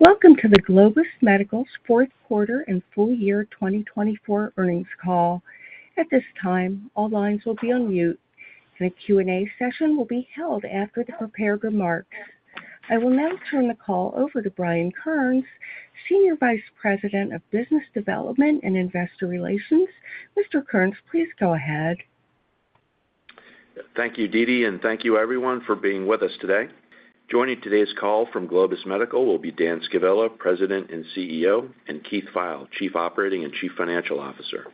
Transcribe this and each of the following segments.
Welcome to the Globus Medical's Fourth Quarter and Full Year 2024 Earnings Call. At this time, all lines will be on mute, and a Q&A session will be held after the prepared remarks. I will now turn the call over to Brian Kearns, Senior Vice President of Business Development and Investor Relations. Mr. Kearns, please go ahead. Thank you, Didi and thank you, everyone, for being with us today. Joining today's call from Globus Medical will be Dan Scavilla, President and CEO, and Keith Pfeil, Chief Operating and Chief Financial Officer.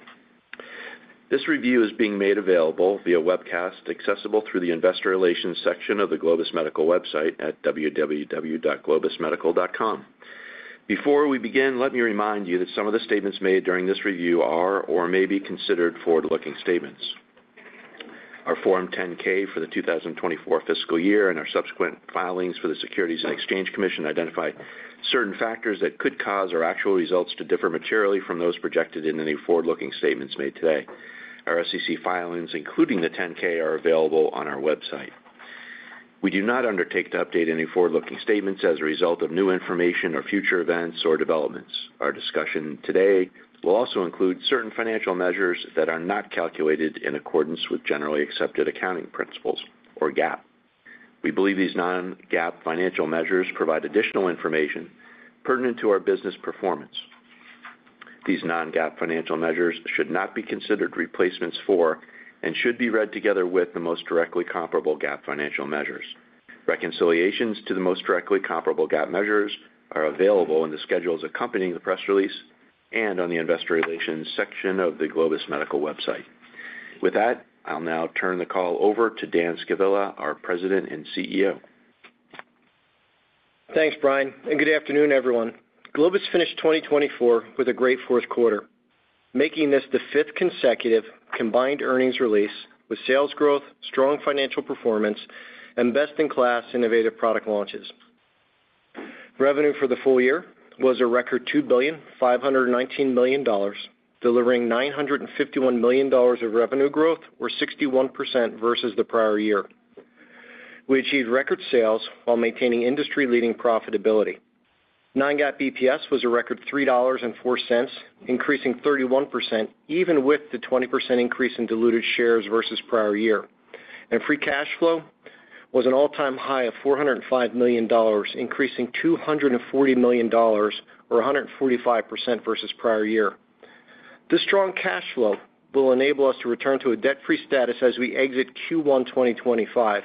This review is being made available via webcast, accessible through the Investor Relations section of the Globus Medical website at www.globusmedical.com. Before we begin, let me remind you that some of the statements made during this review are or may be considered forward-looking statements. Our Form 10-K for the 2024 fiscal year and our subsequent filings for the Securities and Exchange Commission identify certain factors that could cause our actual results to differ materially from those projected in any forward-looking statements made today. Our SEC filings, including the 10-K, are available on our website. We do not undertake to update any forward-looking statements as a result of new information or future events or developments. Our discussion today will also include certain financial measures that are not calculated in accordance with generally accepted accounting principles, or GAAP. We believe these non-GAAP financial measures provide additional information pertinent to our business performance. These non-GAAP financial measures should not be considered replacements for and should be read together with the most directly comparable GAAP financial measures. Reconciliations to the most directly comparable GAAP measures are available in the schedules accompanying the press release and on the Investor Relations section of the Globus Medical website. With that, I'll now turn the call over to Dan Scavilla, our President and CEO. Thanks, Brian, and good afternoon, everyone. Globus finished 2024 with a great fourth quarter, making this the fifth consecutive combined earnings release with sales growth, strong financial performance, and best-in-class innovative product launches. Revenue for the full year was a record $2,519 million, delivering $951 million of revenue growth, or 61% versus the prior year. We achieved record sales while maintaining industry-leading profitability. Non-GAAP EPS was a record $3.04, increasing 31% even with the 20% increase in diluted shares versus prior year. Free cash flow was an all-time high of $405 million, increasing $240 million, or 145% versus prior year. This strong cash flow will enable us to return to a debt-free status as we exit Q1 2025,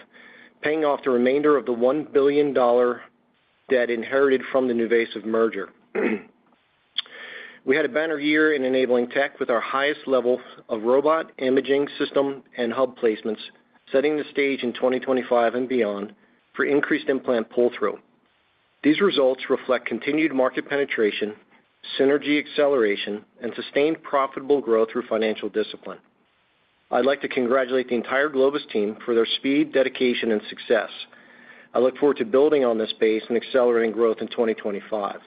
paying off the remainder of the $1 billion debt inherited from the NuVasive merger. We had a better year in enabling tech with our highest level of robot imaging system and hub placements, setting the stage in 2025 and beyond for increased implant pull-through. These results reflect continued market penetration, synergy acceleration, and sustained profitable growth through financial discipline. I'd like to congratulate the entire Globus team for their speed, dedication, and success. I look forward to building on this base and accelerating growth in 2025.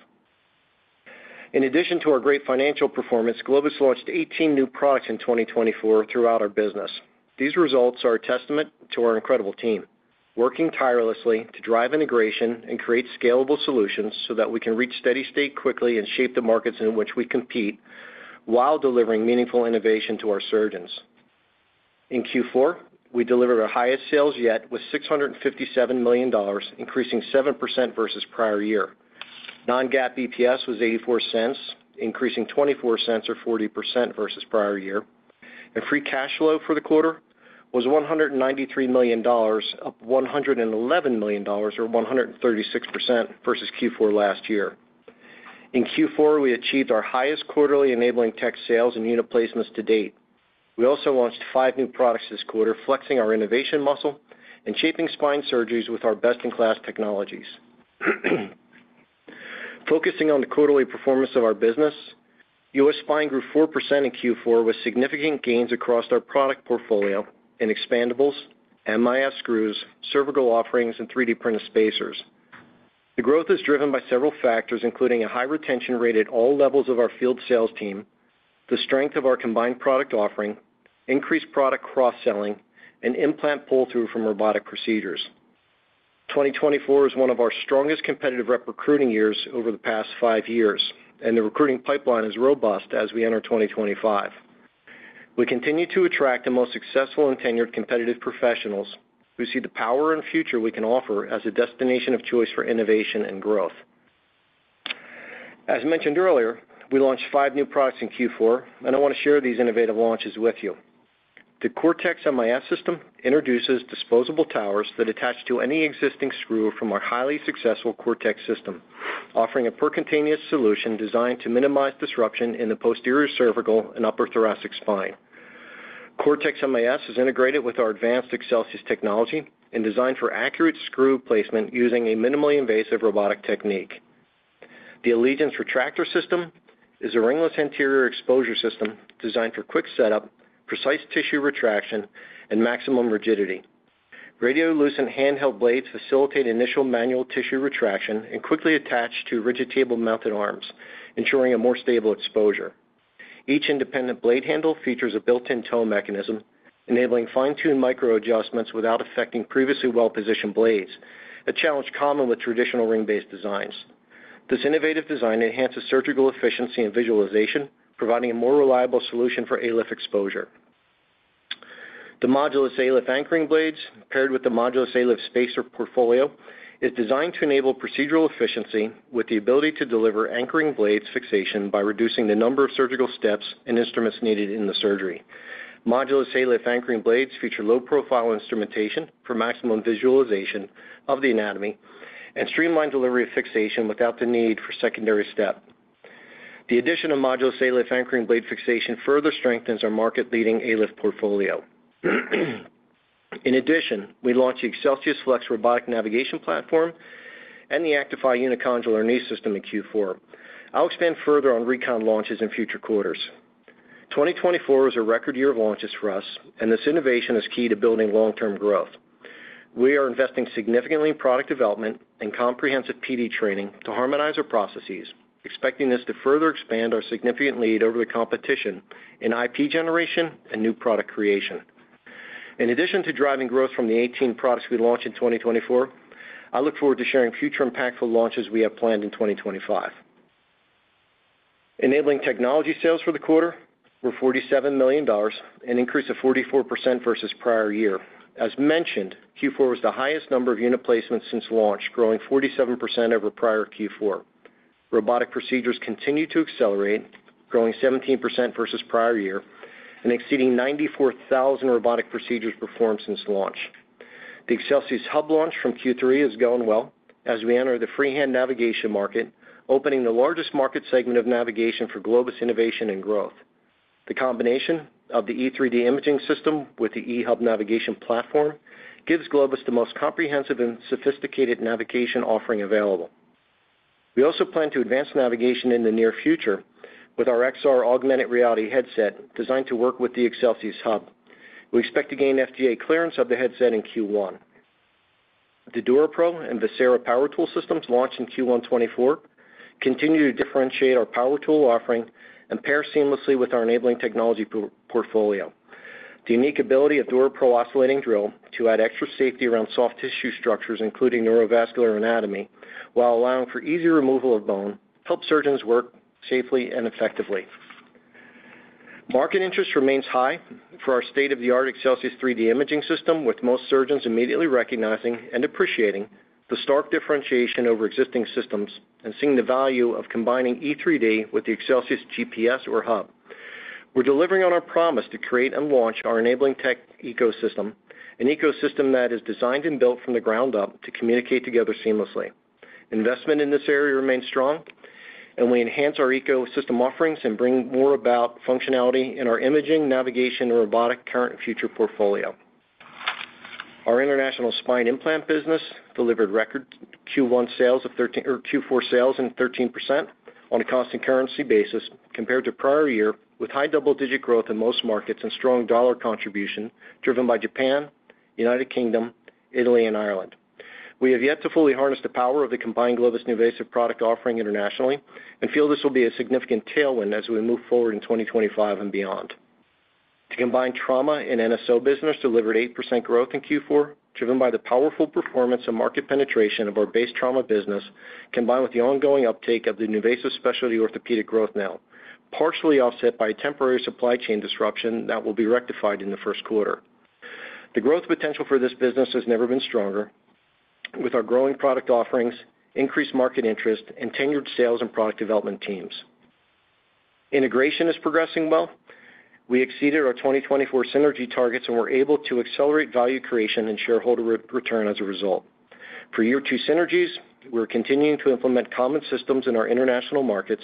In addition to our great financial performance, Globus launched 18 new products in 2024 throughout our business. These results are a testament to our incredible team, working tirelessly to drive integration and create scalable solutions so that we can reach steady state quickly and shape the markets in which we compete while delivering meaningful innovation to our surgeons. In Q4, we delivered our highest sales yet with $657 million, increasing 7% versus prior year. Non-GAAP EPS was $0.84, increasing $0.24 or 40% versus prior year, and free cash flow for the quarter was $193 million, up $111 million, or 136% versus Q4 last year. In Q4, we achieved our highest quarterly enabling tech sales and unit placements to date. We also launched five new products this quarter, flexing our innovation muscle and shaping spine surgeries with our best-in-class technologies. Focusing on the quarterly performance of our business, U.S. Spine grew 4% in Q4 with significant gains across our product portfolio in expandables, MIS screws, cervical offerings, and 3D-printed spacers. The growth is driven by several factors, including a high retention rate at all levels of our field sales team, the strength of our combined product offering, increased product cross-selling, and implant pull-through from robotic procedures. 2024 is one of our strongest competitive recruiting years over the past five years, and the recruiting pipeline is robust as we enter 2025. We continue to attract the most successful and tenured competitive professionals. We see the power and future we can offer as a destination of choice for innovation and growth. As mentioned earlier, we launched five new products in Q4, and I want to share these innovative launches with you. The Cortex MIS system introduces disposable towers that attach to any existing screw from our highly successful Cortex system, offering a percutaneous solution designed to minimize disruption in the posterior cervical and upper thoracic spine. Cortex MIS is integrated with our advanced Excelsius technology and designed for accurate screw placement using a minimally invasive robotic technique. The Allegiance retractor system is a ringless anterior exposure system designed for quick setup, precise tissue retraction, and maximum rigidity. Radiolucent handheld blades facilitate initial manual tissue retraction and quickly attach to rigid table-mounted arms, ensuring a more stable exposure. Each independent blade handle features a built-in toe mechanism, enabling fine-tuned micro-adjustments without affecting previously well-positioned blades, a challenge common with traditional ring-based designs. This innovative design enhances surgical efficiency and visualization, providing a more reliable solution for ALIF exposure. The Modulus ALIF anchoring blades, paired with the Modulus ALIF spacer portfolio, are designed to enable procedural efficiency with the ability to deliver anchoring blades fixation by reducing the number of surgical steps and instruments needed in the surgery. Modulus ALIF anchoring blades feature low-profile instrumentation for maximum visualization of the anatomy and streamline delivery of fixation without the need for secondary step. The addition of Modulus ALIF anchoring blade fixation further strengthens our market-leading ALIF portfolio. In addition, we launched the ExcelsiusFlex robotic navigation platform and the Actify unicondylar knee system in Q4. I'll expand further on recon launches in future quarters. 2024 is a record year of launches for us, and this innovation is key to building long-term growth. We are investing significantly in product development and comprehensive PD training to harmonize our processes, expecting this to further expand our significant lead over the competition in IP generation and new product creation. In addition to driving growth from the 18 products we launched in 2024, I look forward to sharing future impactful launches we have planned in 2025. Enabling technology sales for the quarter were $47,000,000 and increased to 44% versus prior year. As mentioned, Q4 was the highest number of unit placements since launch, growing 47% over prior Q4. Robotic procedures continue to accelerate, growing 17% versus prior year and exceeding 94,000 robotic procedures performed since launch. The ExcelsiusHub launch from Q3 is going well as we enter the freehand navigation market, opening the largest market segment of navigation for Globus Innovation and Growth. The combination of the E3D imaging system with the E-Hub navigation platform gives Globus the most comprehensive and sophisticated navigation offering available. We also plan to advance navigation in the near future with our XR augmented reality headset designed to work with the ExcelsiusHub. We expect to gain FDA clearance of the headset in Q1. The DuraPro and Verzera power tool systems launched in Q1 2024 continue to differentiate our power tool offering and pair seamlessly with our enabling technology portfolio. The unique ability of DuraPro oscillating drill to add extra safety around soft tissue structures, including neurovascular anatomy, while allowing for easy removal of bone, helps surgeons work safely and effectively. Market interest remains high for our state-of-the-art Excelsius3D imaging system, with most surgeons immediately recognizing and appreciating the stark differentiation over existing systems and seeing the value of combining E3D with the ExcelsiusGPS or Hub. We're delivering on our promise to create and launch our enabling tech ecosystem, an ecosystem that is designed and built from the ground up to communicate together seamlessly. Investment in this area remains strong, and we enhance our ecosystem offerings and bring more about functionality in our imaging, navigation, and robotic current and future portfolio. Our International Spine implant business delivered record Q4 sales of 13% on a constant currency basis compared to prior year, with high double-digit growth in most markets and strong dollar contribution driven by Japan, the United Kingdom, Italy, and Ireland. We have yet to fully harness the power of the combined Globus NuVasive product offering internationally and feel this will be a significant tailwind as we move forward in 2025 and beyond. The combined Trauma and NSO business delivered 8% growth in Q4, driven by the powerful performance and market penetration of our base trauma business, combined with the ongoing uptake of the NuVasive Specialized Orthopedic growth now, partially offset by a temporary supply chain disruption that will be rectified in the first quarter. The growth potential for this business has never been stronger, with our growing product offerings, increased market interest, and tenured sales and product development teams. Integration is progressing well. We exceeded our 2024 synergy targets and were able to accelerate value creation and shareholder return as a result. For year two synergies, we're continuing to implement common systems in our international markets,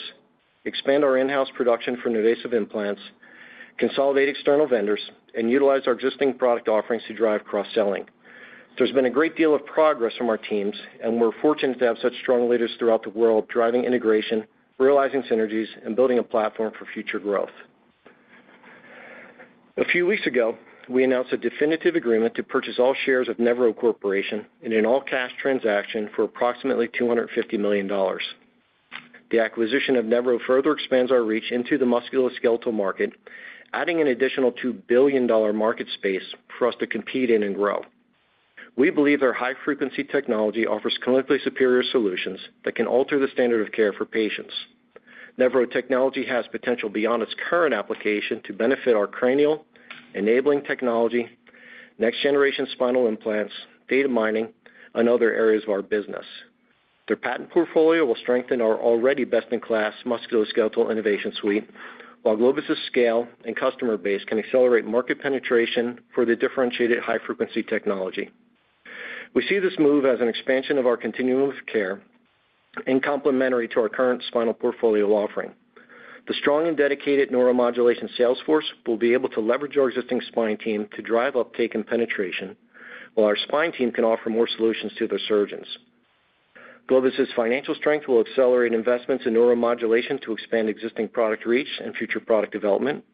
expand our in-house production for NuVasive implants, consolidate external vendors, and utilize our existing product offerings to drive cross-selling. There's been a great deal of progress from our teams, and we're fortunate to have such strong leaders throughout the world driving integration, realizing synergies, and building a platform for future growth. A few weeks ago, we announced a definitive agreement to purchase all shares of Nevro Corporation in an all-cash transaction for approximately $250,000,000. The acquisition of Nevro further expands our reach into the musculoskeletal market, adding an additional $2,000,000,000 market space for us to compete in and grow. We believe our high-frequency technology offers clinically superior solutions that can alter the standard of care for patients. Nevro technology has potential beyond its current application to benefit our cranial, enabling technology, next-generation spinal implants, data mining, and other areas of our business. Their patent portfolio will strengthen our already best-in-class musculoskeletal innovation suite, while Globus's scale and customer base can accelerate market penetration for the differentiated high-frequency technology. We see this move as an expansion of our continuum of care and complementary to our current spinal portfolio offering. The strong and dedicated neuromodulation sales force will be able to leverage our existing spine team to drive uptake and penetration, while our spine team can offer more solutions to their surgeons. Globus's financial strength will accelerate investments in neuromodulation to expand existing product reach and future product development.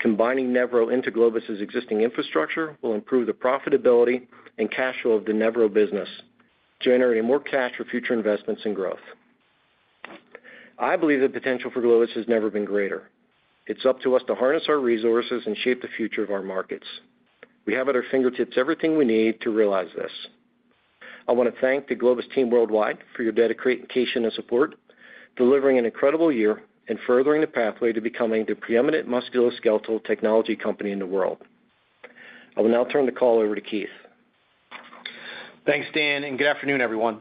Combining Nevro into Globus's existing infrastructure will improve the profitability and cash flow of the Nevro business, generating more cash for future investments and growth. I believe the potential for Globus has never been greater. It's up to us to harness our resources and shape the future of our markets. We have at our fingertips everything we need to realize this. I want to thank the Globus team worldwide for your dedication and support, delivering an incredible year and furthering the pathway to becoming the preeminent musculoskeletal technology company in the world. I will now turn the call over to Keith. Thanks, Dan, and good afternoon, everyone.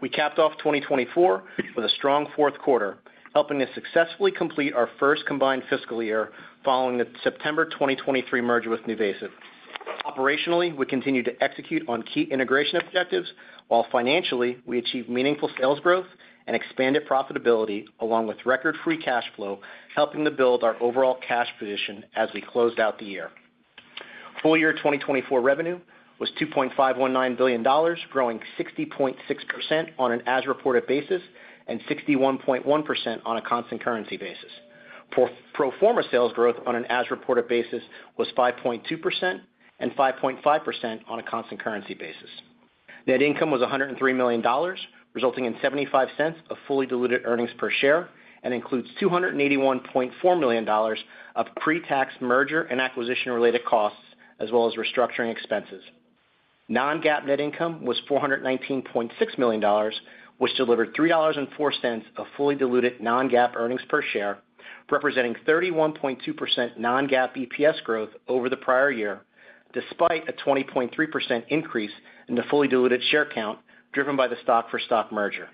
We capped off 2024 with a strong fourth quarter, helping us successfully complete our first combined fiscal year following the September 2023 merger with NuVasive. Operationally, we continued to execute on key integration objectives, while financially, we achieved meaningful sales growth and expanded profitability along with record-free cash flow, helping to build our overall cash position as we closed out the year. Full year 2024 revenue was $2,519,000,000 growing 60.6% on an as-reported basis and 61.1% on a constant currency basis. Pro forma sales growth on an as-reported basis was 5.2% and 5.5% on a constant currency basis. Net income was $103,000,000 resulting in $0.75 of fully diluted earnings per share and includes $281,400,000 of pre-tax merger and acquisition-related costs, as well as restructuring expenses. Non-GAAP net income was $419,600,000 which delivered $3.04 of fully diluted non-GAAP earnings per share, representing 31.2% non-GAAP EPS growth over the prior year, despite a 20.3% increase in the fully diluted share count driven by the stock-for-stock merger.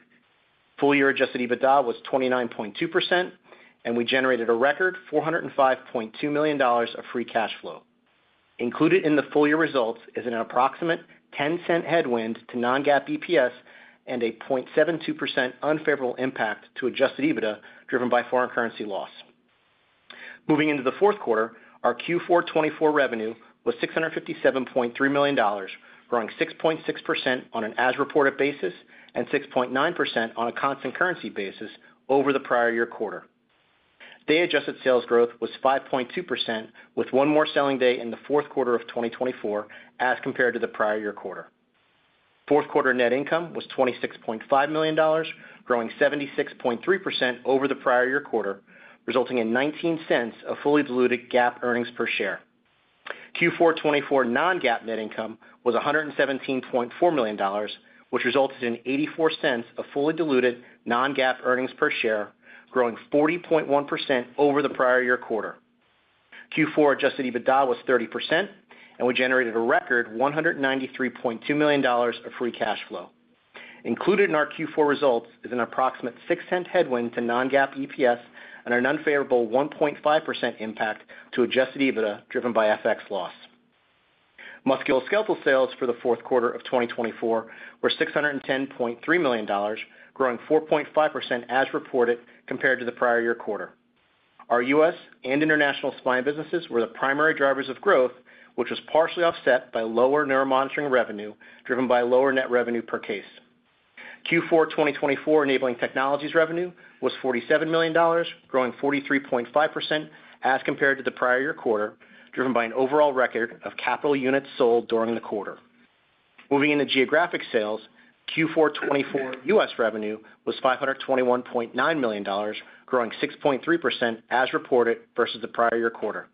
Full-year adjusted EBITDA was 29.2%, and we generated a record $405,200,000 of free cash flow. Included in the full-year results is an approximate $0.10 headwind to non-GAAP EPS and a 0.72% unfavorable impact to adjusted EBITDA driven by foreign currency loss. Moving into the fourth quarter, our Q4 2024 revenue was $657,300,000, growing 6.6% on an as-reported basis and 6.9% on a constant currency basis over the prior year quarter. Day-adjusted sales growth was 5.2%, with one more selling day in the fourth quarter of 2024 as compared to the prior year quarter. Fourth quarter net income was $26,500,000, growing 76.3% over the prior year quarter, resulting in $0.19 of fully diluted GAAP earnings per share. Q4 2024 non-GAAP net income was $117,400,000, which resulted in $0.84 of fully diluted non-GAAP earnings per share, growing 40.1% over the prior year quarter. Q4 Adjusted EBITDA was 30%, and we generated a record $193,200,000 of free cash flow. Included in our Q4 results is an approximate $0.06 headwind to non-GAAP EPS and an unfavorable 1.5% impact to Adjusted EBITDA driven by FX loss. Musculoskeletal sales for the fourth quarter of 2024 were $610,300,000, growing 4.5% as reported compared to the prior year quarter. Our U.S. and International Spine businesses were the primary drivers of growth, which was partially offset by lower neuromonitoring revenue driven by lower net revenue per case. Q4 2024 enabling technologies revenue was $47,000,000, growing 43.5% as compared to the prior year quarter, driven by an overall record of capital units sold during the quarter. Moving into geographic sales, Q4 2024 U.S. revenue was $521,900,000, growing 6.3% as reported versus the prior year quarter.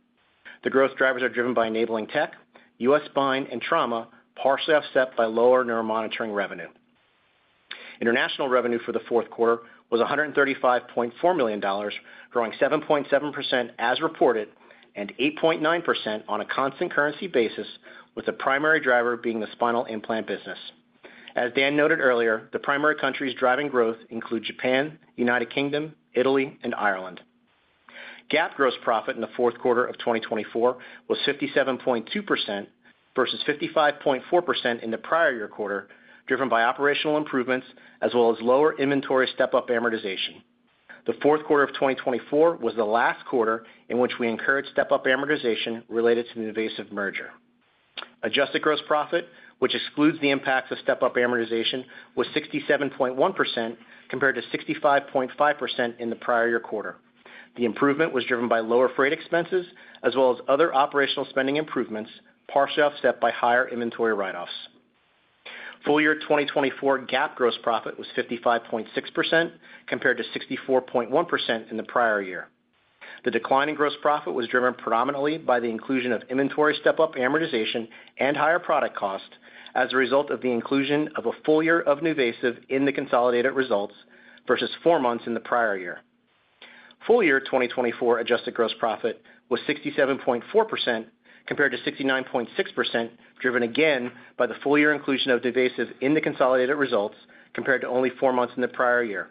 The growth drivers are driven by enabling tech, U.S.spine, and Trauma, partially offset by lower neuromonitoring revenue. International revenue for the fourth quarter was $135,400,000, growing 7.7% as reported and 8.9% on a constant currency basis, with the primary driver being the spinal implant business. As Dan noted earlier, the primary countries driving growth include Japan, the United Kingdom, Italy, and Ireland. GAAP gross profit in the fourth quarter of 2024 was 57.2% versus 55.4% in the prior year quarter, driven by operational improvements as well as lower inventory step-up amortization. The fourth quarter of 2024 was the last quarter in which we incurred step-up amortization related to the NuVasive merger. Adjusted gross profit, which excludes the impacts of step-up amortization, was 67.1% compared to 65.5% in the prior year quarter. The improvement was driven by lower freight expenses as well as other operational spending improvements, partially offset by higher inventory write-offs. Full year 2024 GAAP gross profit was 55.6% compared to 64.1% in the prior year. The decline in gross profit was driven predominantly by the inclusion of inventory step-up amortization and higher product cost as a result of the inclusion of a full year of NuVasive in the consolidated results versus four months in the prior year. Full Year 2024 adjusted gross profit was 67.4% compared to 69.6%, driven again by the full year inclusion of NuVasive in the consolidated results compared to only four months in the prior year.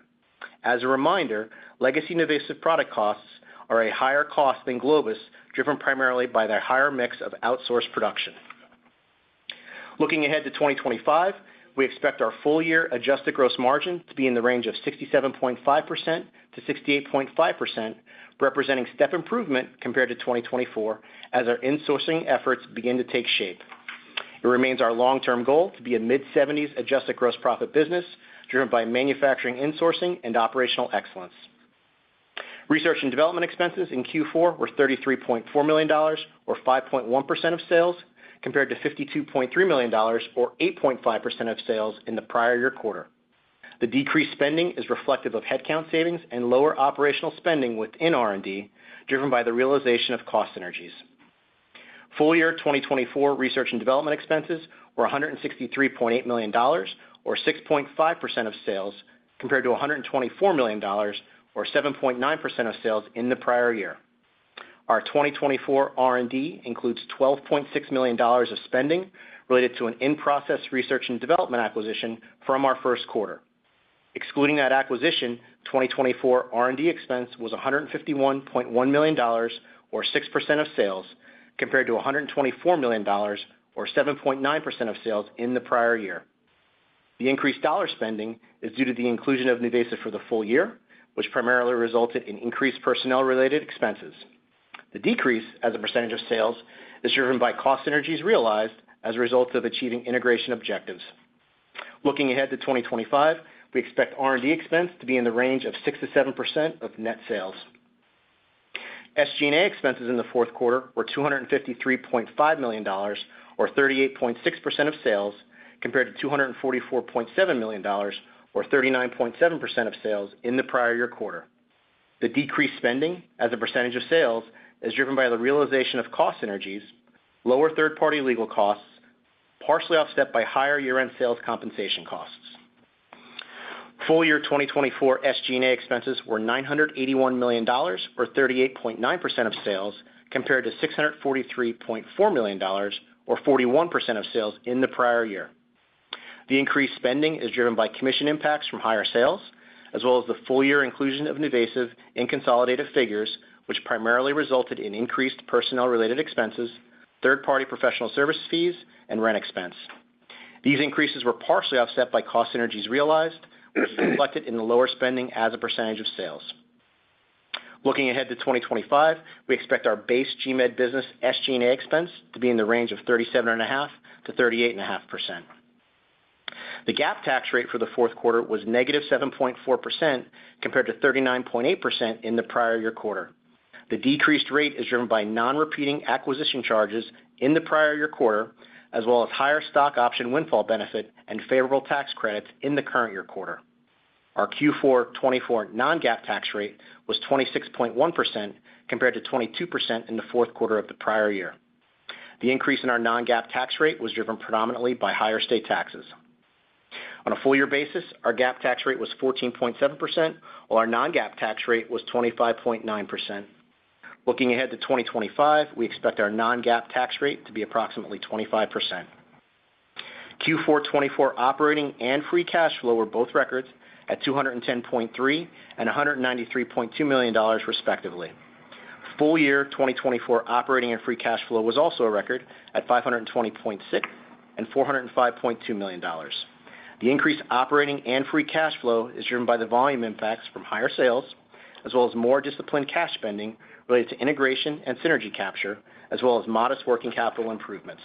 As a reminder, legacy NuVasive product costs are a higher cost than Globus, driven primarily by their higher mix of outsourced production. Looking ahead to 2025, we expect our full year adjusted gross margin to be in the range of 67.5%-68.5%, representing step improvement compared to 2024 as our insourcing efforts begin to take shape. It remains our long-term goal to be a mid-70s adjusted gross profit business driven by manufacturing insourcing and operational excellence. Research and development expenses in Q4 were $33,400,000, or 5.1% of sales, compared to $52,300,000, or 8.5% of sales in the prior year quarter. The decreased spending is reflective of headcount savings and lower operational spending within R&D, driven by the realization of cost synergies. Full Year 2024 research and development expenses were $163,800,000, or 6.5% of sales, compared to $124,000,000, or 7.9% of sales in the prior year. Our 2024 R&D includes $12,600,000 of spending related to an in-process research and development acquisition from our first quarter. Excluding that acquisition, 2024 R&D expense was $151,100,000, or 6% of sales, compared to $124,000,00, or 7.9% of sales in the prior year. The increased dollar spending is due to the inclusion of NuVasive for the full year, which primarily resulted in increased personnel-related expenses. The decrease as a percentage of sales is driven by cost synergies realized as a result of achieving integration objectives. Looking ahead to 2025, we expect R&D expense to be in the range of 6%-7% of net sales. SG&A expenses in the fourth quarter were $253,500,000, or 38.6% of sales, compared to $244,700,00, or 39.7% of sales in the prior year quarter. The decreased spending as a percentage of sales is driven by the realization of cost synergies, lower third-party legal costs, partially offset by higher year-end sales compensation costs. Full year 2024 SG&A expenses were $981,000,000, or 38.9% of sales, compared to $643,400,00, or 41% of sales in the prior year. The increased spending is driven by commission impacts from higher sales, as well as the full year inclusion of NuVasive in consolidated figures, which primarily resulted in increased personnel-related expenses, third-party professional service fees, and rent expense. These increases were partially offset by cost synergies realized, reflected in the lower spending as a percentage of sales. Looking ahead to 2025, we expect our base GMED business SG&A expense to be in the range of 37.5%-38.5%. The GAAP tax rate for the fourth quarter was negative 7.4% compared to 39.8% in the prior year quarter. The decreased rate is driven by non-repeating acquisition charges in the prior year quarter, as well as higher stock option windfall benefit and favorable tax credits in the current year quarter. Our Q4 2024 non-GAAP tax rate was 26.1% compared to 22% in the fourth quarter of the prior year. The increase in our non-GAAP tax rate was driven predominantly by higher state taxes. On a full year basis, our GAAP tax rate was 14.7%, while our non-GAAP tax rate was 25.9%. Looking ahead to 2025, we expect our non-GAAP tax rate to be approximately 25%. Q4 2024 operating and free cash flow were both records at $210,300,000 and $193,200,000, respectively. Full Year 2024 operating and free cash flow was also a record at $520,600,000 and $405,200,000. The increased operating and free cash flow is driven by the volume impacts from higher sales, as well as more disciplined cash spending related to integration and synergy capture, as well as modest working capital improvements.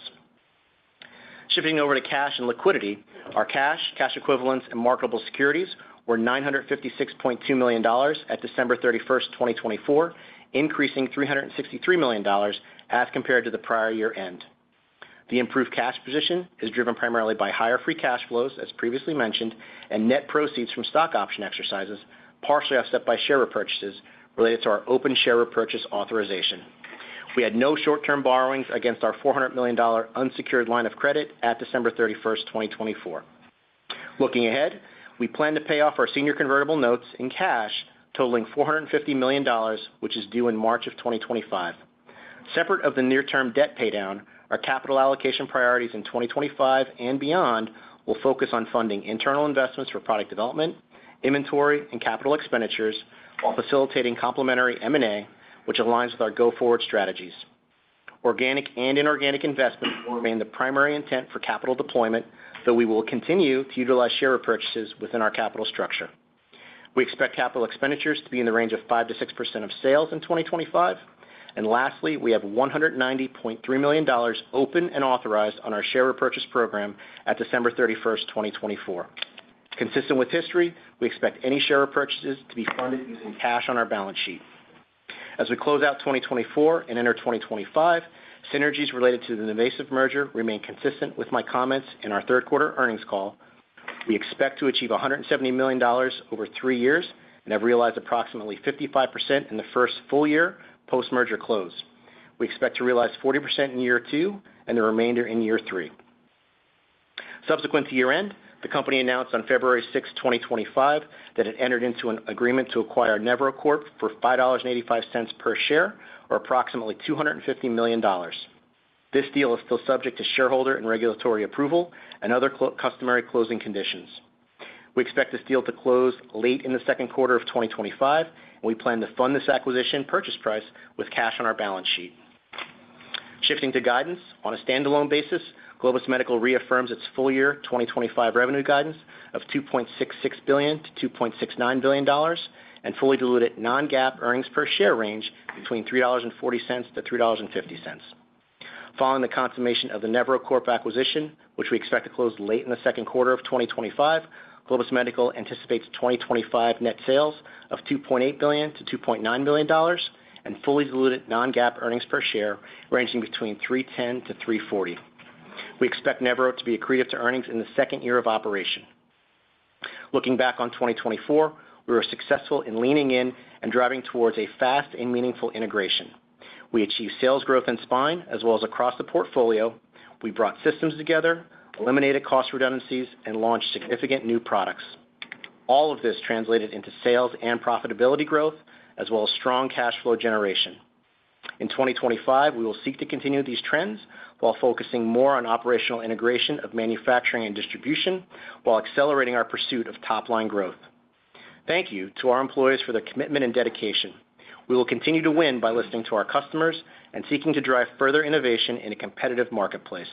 Shifting over to cash and liquidity, our cash, cash equivalents, and marketable securities were $956,200,000 at December 31, 2024, increasing $363,000,000 as compared to the prior year end. The improved cash position is driven primarily by higher free cash flows, as previously mentioned, and net proceeds from stock option exercises, partially offset by share repurchases related to our open share repurchase authorization. We had no short-term borrowings against our $400,000,000 unsecured line of credit at December 31, 2024. Looking ahead, we plan to pay off our senior convertible notes in cash totaling $450,000,000, which is due in March of 2025. Separate from the near-term debt paydown, our capital allocation priorities in 2025 and beyond will focus on funding internal investments for product development, inventory, and capital expenditures, while facilitating complementary M&A, which aligns with our go-forward strategies. Organic and inorganic investments will remain the primary intent for capital deployment, though we will continue to utilize share repurchases within our capital structure. We expect capital expenditures to be in the range of 5%-6% of sales in 2025, and lastly, we have $190,300,000 open and authorized on our share repurchase program at December 31, 2024. Consistent with history, we expect any share repurchases to be funded using cash on our balance sheet. As we close out 2024 and enter 2025, synergies related to the NuVasive merger remain consistent with my comments in our Third Quarter Earnings Call. We expect to achieve $170,000,000 over three years and have realized approximately 55% in the first full year post-merger close. We expect to realize 40% in year two and the remainder in year three. Subsequent to year-end, the company announced on February 6, 2025, that it entered into an agreement to acquire Nevro Corp for $5.85 per share, or approximately $250,000,000. This deal is still subject to shareholder and regulatory approval and other customary closing conditions. We expect this deal to close late in the second quarter of 2025, and we plan to fund this acquisition purchase price with cash on our balance sheet. Shifting to guidance, on a standalone basis, Globus Medical reaffirms its Full year 2025 revenue guidance of $2,660,000,000-$2,690,000,000 and fully diluted non-GAAP earnings per share range between $3.40-$3.50. Following the consummation of the Nevro Corp acquisition, which we expect to close late in the second quarter of 2025, Globus Medical anticipates 2025 net sales of $2, 800,000,000-$2,900,000,000 and fully diluted non-GAAP earnings per share ranging between $3.10-$3.40. We expect Nevro to be accretive to earnings in the second year of operation. Looking back on 2024, we were successful in leaning in and driving towards a fast and meaningful integration. We achieved sales growth in spine as well as across the portfolio. We brought systems together, eliminated cost redundancies, and launched significant new products. All of this translated into sales and profitability growth as well as strong cash flow generation. In 2025, we will seek to continue these trends while focusing more on operational integration of manufacturing and distribution, while accelerating our pursuit of top-line growth. Thank you to our employees for their commitment and dedication. We will continue to win by listening to our customers and seeking to drive further innovation in a competitive marketplace.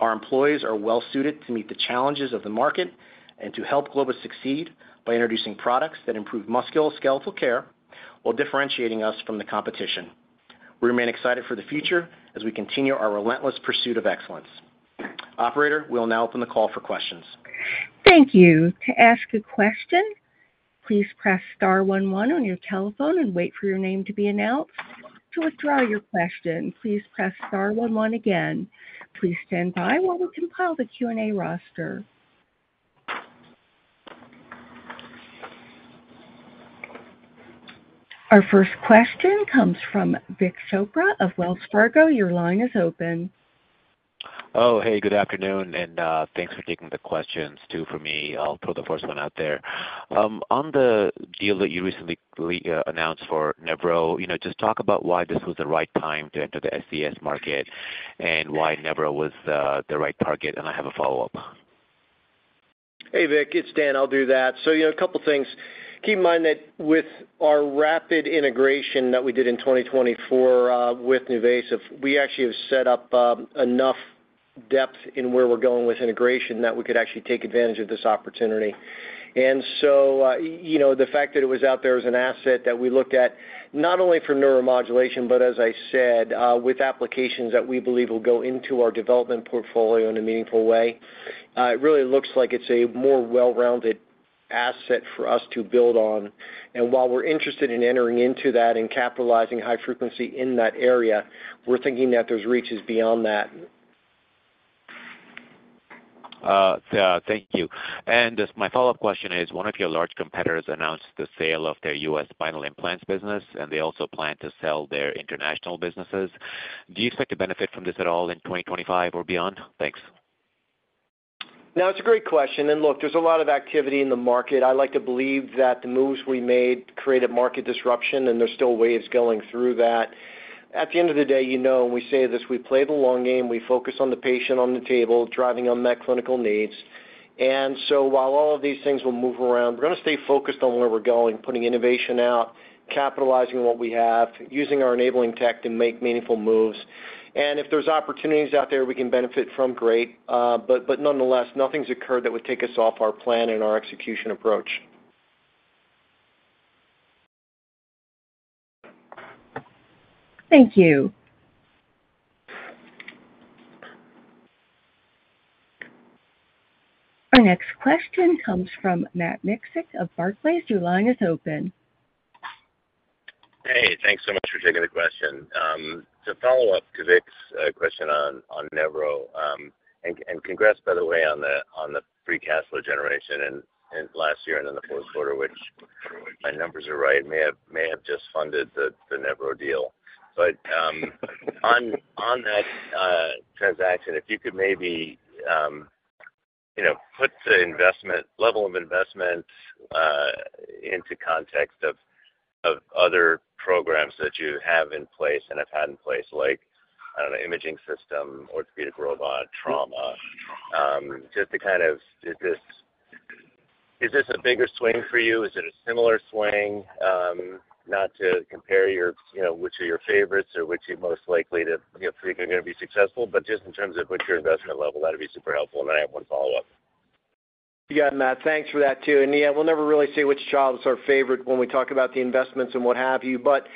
Our employees are well-suited to meet the challenges of the market and to help Globus succeed by introducing products that improve musculoskeletal care while differentiating us from the competition. We remain excited for the future as we continue our relentless pursuit of excellence. Operator, we will now open the call for questions. Thank you. To ask a question, please press star one one on your telephone and wait for your name to be announced. To withdraw your question, please press star one one again. Please stand by while we compile the Q&A roster. Our first question comes from Vik Chopra of Wells Fargo. Your line is open. Oh, hey, good afternoon, and thanks for taking the questions too for me. I'll throw the first one out there. On the deal that you recently announced for Nevro, just talk about why this was the right time to enter the SCS market and why Nevro was the right target, and I have a follow-up. Hey, Vik, it's Dan. I'll do that. So a couple of things. Keep in mind that with our rapid integration that we did in 2024 with NuVasive, we actually have set up enough depth in where we're going with integration that we could actually take advantage of this opportunity. And so, you know, the fact that it was out there as an asset that we looked at not only for neuromodulation, but as I said, with applications that we believe will go into our development portfolio in a meaningful way, it really looks like it's a more well-rounded asset for us to build on. And while we're interested in entering into that and capitalizing high frequency in that area, we're thinking that there's reaches beyond that. Thank you. And my follow-up question is, one of your large competitors announced the sale of their U.S. spinal implants business, and they also plan to sell their international businesses. Do you expect to benefit from this at all in 2025 or beyond? Thanks. Now, it's a great question. And look, there's a lot of activity in the market. I like to believe that the moves we made created market disruption, and there's still waves going through that. At the end of the day, we say this, we play the long game, we focus on the patient on the table, driving unmet clinical needs. And so while all of these things will move around, we're going to stay focused on where we're going, putting innovation out, capitalizing on what we have, using our enabling tech to make meaningful moves. And if there's opportunities out there we can benefit from, great. But nonetheless, nothing's occurred that would take us off our plan and our execution approach. Thank you. Our next question comes from Matt Miksic of Barclays. Your line is open. Hey, thanks so much for taking the question. To follow up to Vik's question on Nevro, and congrats, by the way, on the free cash flow generation last year and in the fourth quarter, which, if my numbers are right, may have just funded the Nevro deal. But on that transaction, if you could maybe put the level of investment into context of other programs that you have in place and have had in place, like an imaging system, orthopedic robot, trauma, just to kind of, is this a bigger swing for you? Is it a similar swing? Not to compare which are your favorites or which you're most likely to think are going to be successful, but just in terms of what your investment level, that'd be super helpful. And then I have one follow-up. Yeah, Matt, thanks for that too. Yeah, we'll never really say which jobs are favorite when we talk about the investments and what have you. But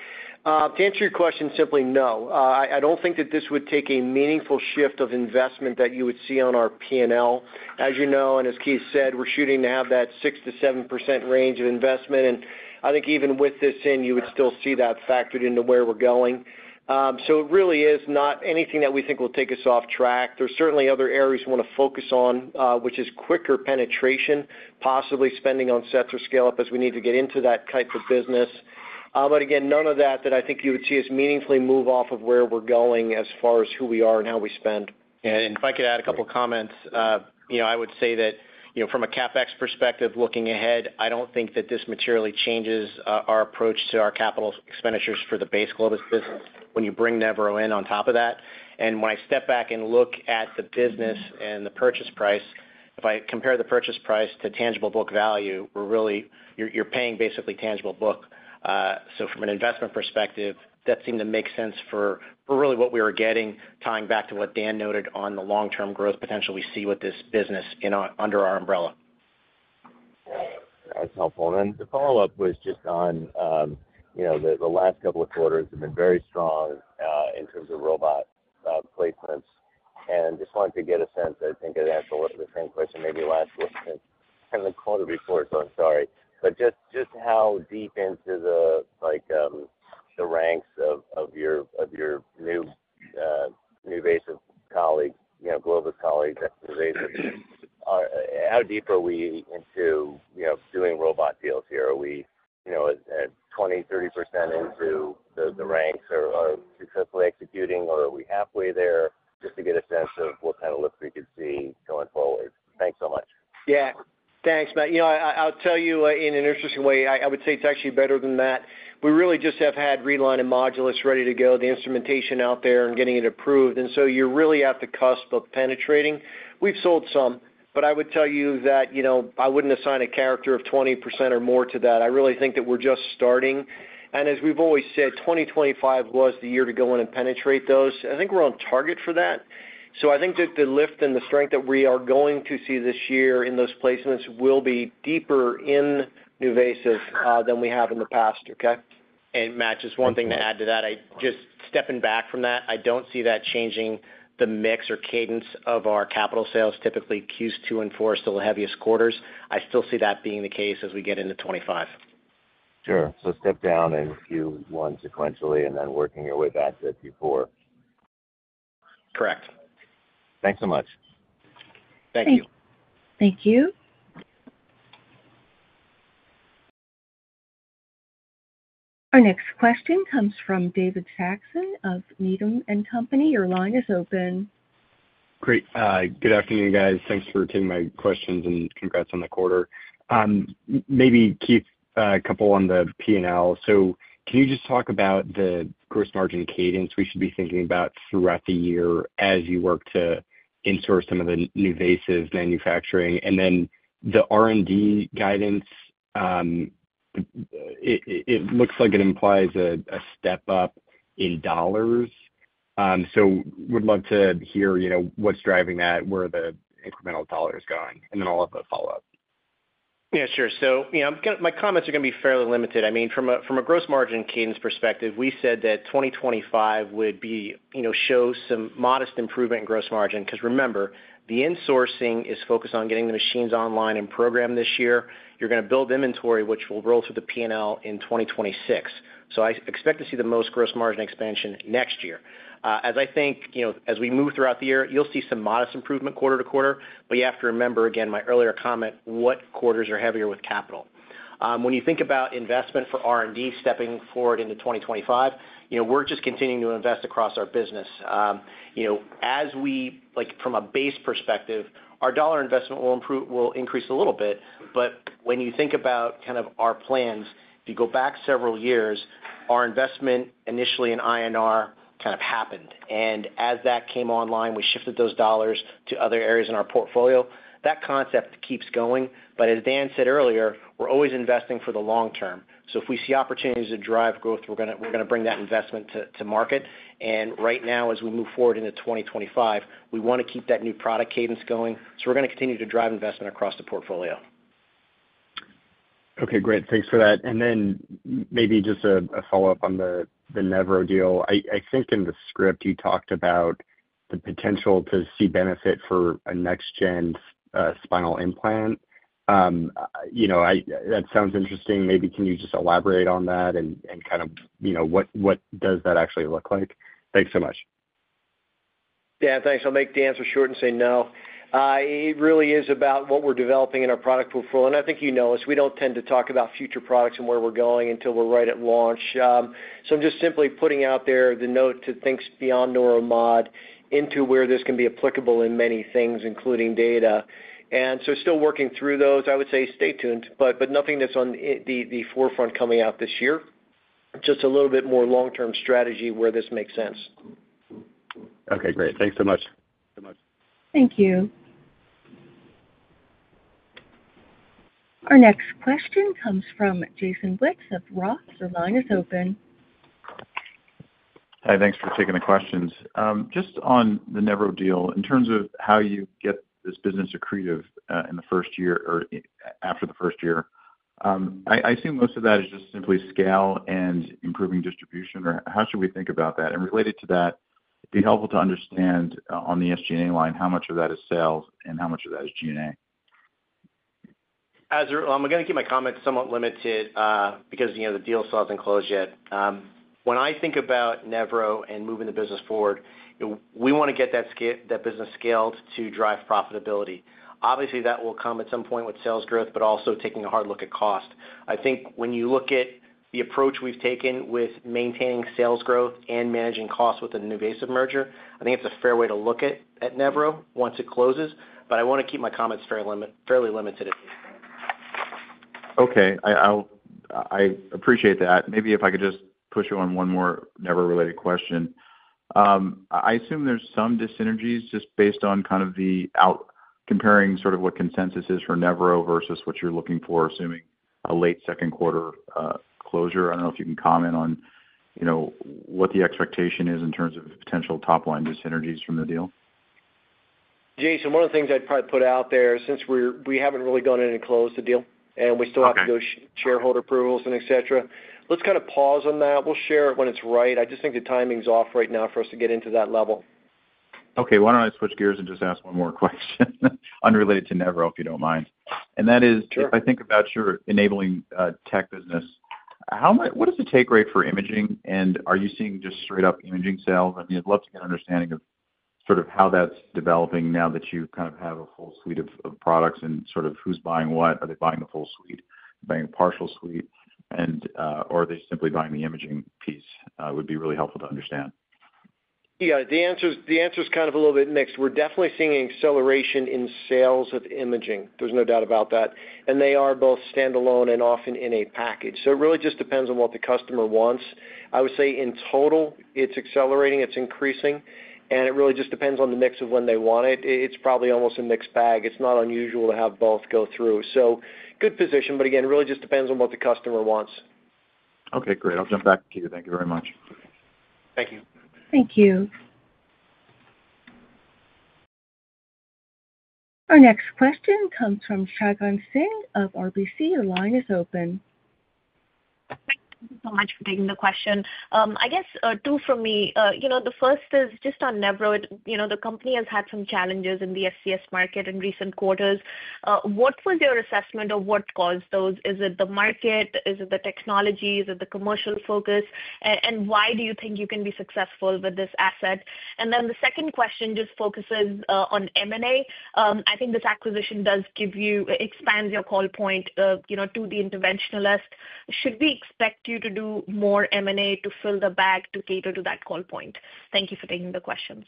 to answer your question, simply no. I don't think that this would take a meaningful shift of investment that you would see on our P&L. As you know, and as Keith said, we're shooting to have that 6%-7% range of investment. I think even with this in, you would still see that factored into where we're going. So it really is not anything that we think will take us off track. There's certainly other areas we want to focus on, which is quicker penetration, possibly spending on sets or scale-up as we need to get into that type of business. But again, none of that I think you would see us meaningfully move off of where we're going as far as who we are and how we spend. Yeah. And if I could add a couple of comments, I would say that from a CapEx perspective, looking ahead, I don't think that this materially changes our approach to our capital expenditures for the base Globus business when you bring Nevro in on top of that. And when I step back and look at the business and the purchase price, if I compare the purchase price to tangible book value, you're paying basically tangible book. So from an investment perspective, that seemed to make sense for really what we were getting, tying back to what Dan noted on the long-term growth potential we see with this business under our umbrella. That's helpful. And then the follow-up was just on the last couple of quarters have been very strong in terms of robot placements. And just wanted to get a sense. I think I'd answer the same question maybe last quarter before, so I'm sorry. But just how deep into the ranks of your new NuVasive colleagues, Globus colleagues, how deep are we into doing robot deals here? Are we at 20%, 30% into the ranks or successfully executing, or are we halfway there? Just to get a sense of what kind of lift we could see going forward. Thanks so much. Yeah. Thanks, Matt. I'll tell you in an interesting way, I would say it's actually better than that. We really just have had Reline and Modulus ready to go, the instrumentation out there and getting it approved. And so you're really at the cusp of penetrating. We've sold some, but I would tell you that I wouldn't assign a character of 20% or more to that. I really think that we're just starting. And as we've always said, 2025 was the year to go in and penetrate those. I think we're on target for that. So I think that the lift and the strength that we are going to see this year in those placements will be deeper in NuVasive than we have in the past, okay? Matt, just one thing to add to that, just stepping back from that, I don't see that changing the mix or cadence of our capital sales. Typically, Qs 2 and 4 are still the heaviest quarters. I still see that being the case as we get into 2025. Sure. So step down and Q1 sequentially and then working your way back to Q4. Correct. Thanks so much. Thank you. Our next question comes from David Saxon of Needham & Company. Your line is open. Great. Good afternoon, guys. Thanks for taking my questions and congrats on the quarter. Maybe Keith, a couple on the P&L. So can you just talk about the gross margin cadence we should be thinking about throughout the year as you work to in-source some of the new NuVasive manufacturing? And then the R&D guidance, it looks like it implies a step up in dollars. So would love to hear what's driving that, where the incremental dollar is going, and then I'll have a follow-up. Yeah, sure. So my comments are going to be fairly limited. I mean, from a gross margin cadence perspective, we said that 2025 would show some modest improvement in gross margin. Because remember, the insourcing is focused on getting the machines online and programmed this year. You're going to build inventory, which will roll through the P&L in 2026. So I expect to see the most gross margin expansion next year. As I think, as we move throughout the year, you'll see some modest improvement quarter to quarter. But you have to remember, again, my earlier comment, what quarters are heavier with capital. When you think about investment for R&D stepping forward into 2025, we're just continuing to invest across our business. As we, from a base perspective, our dollar investment will increase a little bit. But when you think about kind of our plans, if you go back several years, our investment initially in INR kind of happened. And as that came online, we shifted those dollars to other areas in our portfolio. That concept keeps going. But as Dan said earlier, we're always investing for the long term. So if we see opportunities to drive growth, we're going to bring that investment to market. And right now, as we move forward into 2025, we want to keep that new product cadence going. So we're going to continue to drive investment across the portfolio. Okay, great. Thanks for that. And then maybe just a follow-up on the Nevro deal. I think in the script, you talked about the potential to see benefit for a next-gen spinal implant. That sounds interesting. Maybe can you just elaborate on that and kind of what does that actually look like? Thanks so much. Yeah, thanks. I'll make the answer short and say no. It really is about what we're developing in our product portfolio. And I think you know us, we don't tend to talk about future products and where we're going until we're right at launch. So, I'm just simply putting out there the note that things beyond neuromodulation into where this can be applicable in many things, including data. And so still working through those. I would say stay tuned, but nothing that's on the forefront coming out this year. Just a little bit more long-term strategy where this makes sense. Okay, great. Thanks so much. Thank you. Our next question comes from Jason Wittes of Roth. Your line is open. Hi, thanks for taking the questions. Just on the Nevro deal, in terms of how you get this business accretive in the first year or after the first year, I assume most of that is just simply scale and improving distribution. Or how should we think about that? And related to that, it'd be helpful to understand on the SG&A line how much of that is sales and how much of that is G&A. I'm going to keep my comments somewhat limited because the deal's not closed yet. When I think about Nevro and moving the business forward, we want to get that business scaled to drive profitability. Obviously, that will come at some point with sales growth, but also taking a hard look at cost. I think when you look at the approach we've taken with maintaining sales growth and managing costs with a new NuVasive merger, I think it's a fair way to look at Nevro once it closes. But I want to keep my comments fairly limited. Okay. I appreciate that. Maybe if I could just push you on one more Nevro-related question. I assume there's some dyssynergies just based on kind of comparing sort of what consensus is for Nevro versus what you're looking for, assuming a late second quarter closure. I don't know if you can comment on what the expectation is in terms of potential top-line dis-synergies from the deal. Jason, one of the things I'd probably put out there, since we haven't really gone in and closed the deal and we still have to go shareholder approvals and etc., let's kind of pause on that. We'll share it when it's right. I just think the timing's off right now for us to get into that level. Okay. Why don't I switch gears and just ask one more question unrelated to Nevro, if you don't mind? And that is, if I think about your enabling tech business, what is the take rate for imaging? And are you seeing just straight-up imaging sales? I mean, I'd love to get an understanding of sort of how that's developing now that you kind of have a full suite of products and sort of who's buying what? Are they buying the full suite, buying a partial suite, or are they simply buying the imaging piece? It would be really helpful to understand. Yeah. The answer's kind of a little bit mixed. We're definitely seeing acceleration in sales of imaging. There's no doubt about that. And they are both standalone and often in a package. So it really just depends on what the customer wants. I would say in total, it's accelerating. It's increasing. And it really just depends on the mix of when they want it. It's probably almost a mixed bag. It's not unusual to have both go through. So good position. But again, really just depends on what the customer wants. Okay, great. I'll jump back to you. Thank you very much. Thank you. Thank you. Our next question comes from Shagun Singh of RBC. Your line is open. Thank you so much for taking the question. I guess two from me. The first is just on Nevro. The company has had some challenges in the SCS market in recent quarters. What was your assessment of what caused those? Is it the market? Is it the technology? Is it the commercial focus? And why do you think you can be successful with this asset? And then the second question just focuses on M&A. I think this acquisition does expand your call point to the interventionalist. Should we expect you to do more M&A to fill the bag to cater to that call point? Thank you for taking the questions.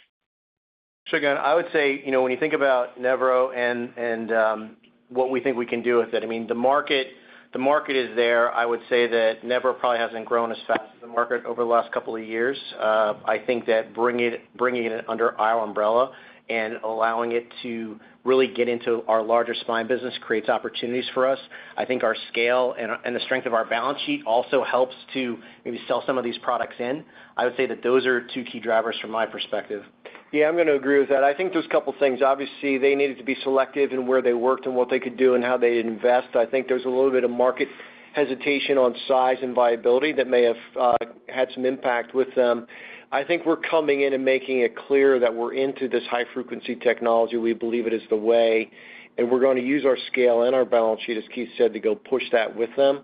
So again, I would say when you think about Nevro and what we think we can do with it, I mean, the market is there. I would say that Nevro probably hasn't grown as fast as the market over the last couple of years. I think that bringing it under our umbrella and allowing it to really get into our larger spine business creates opportunities for us. I think our scale and the strength of our balance sheet also helps to maybe sell some of these products in. I would say that those are two key drivers from my perspective. Yeah, I'm going to agree with that. I think there's a couple of things. Obviously, they needed to be selective in where they worked and what they could do and how they invest. I think there's a little bit of market hesitation on size and viability that may have had some impact with them. I think we're coming in and making it clear that we're into this high-frequency technology. We believe it is the way, and we're going to use our scale and our balance sheet, as Keith said, to go push that with them,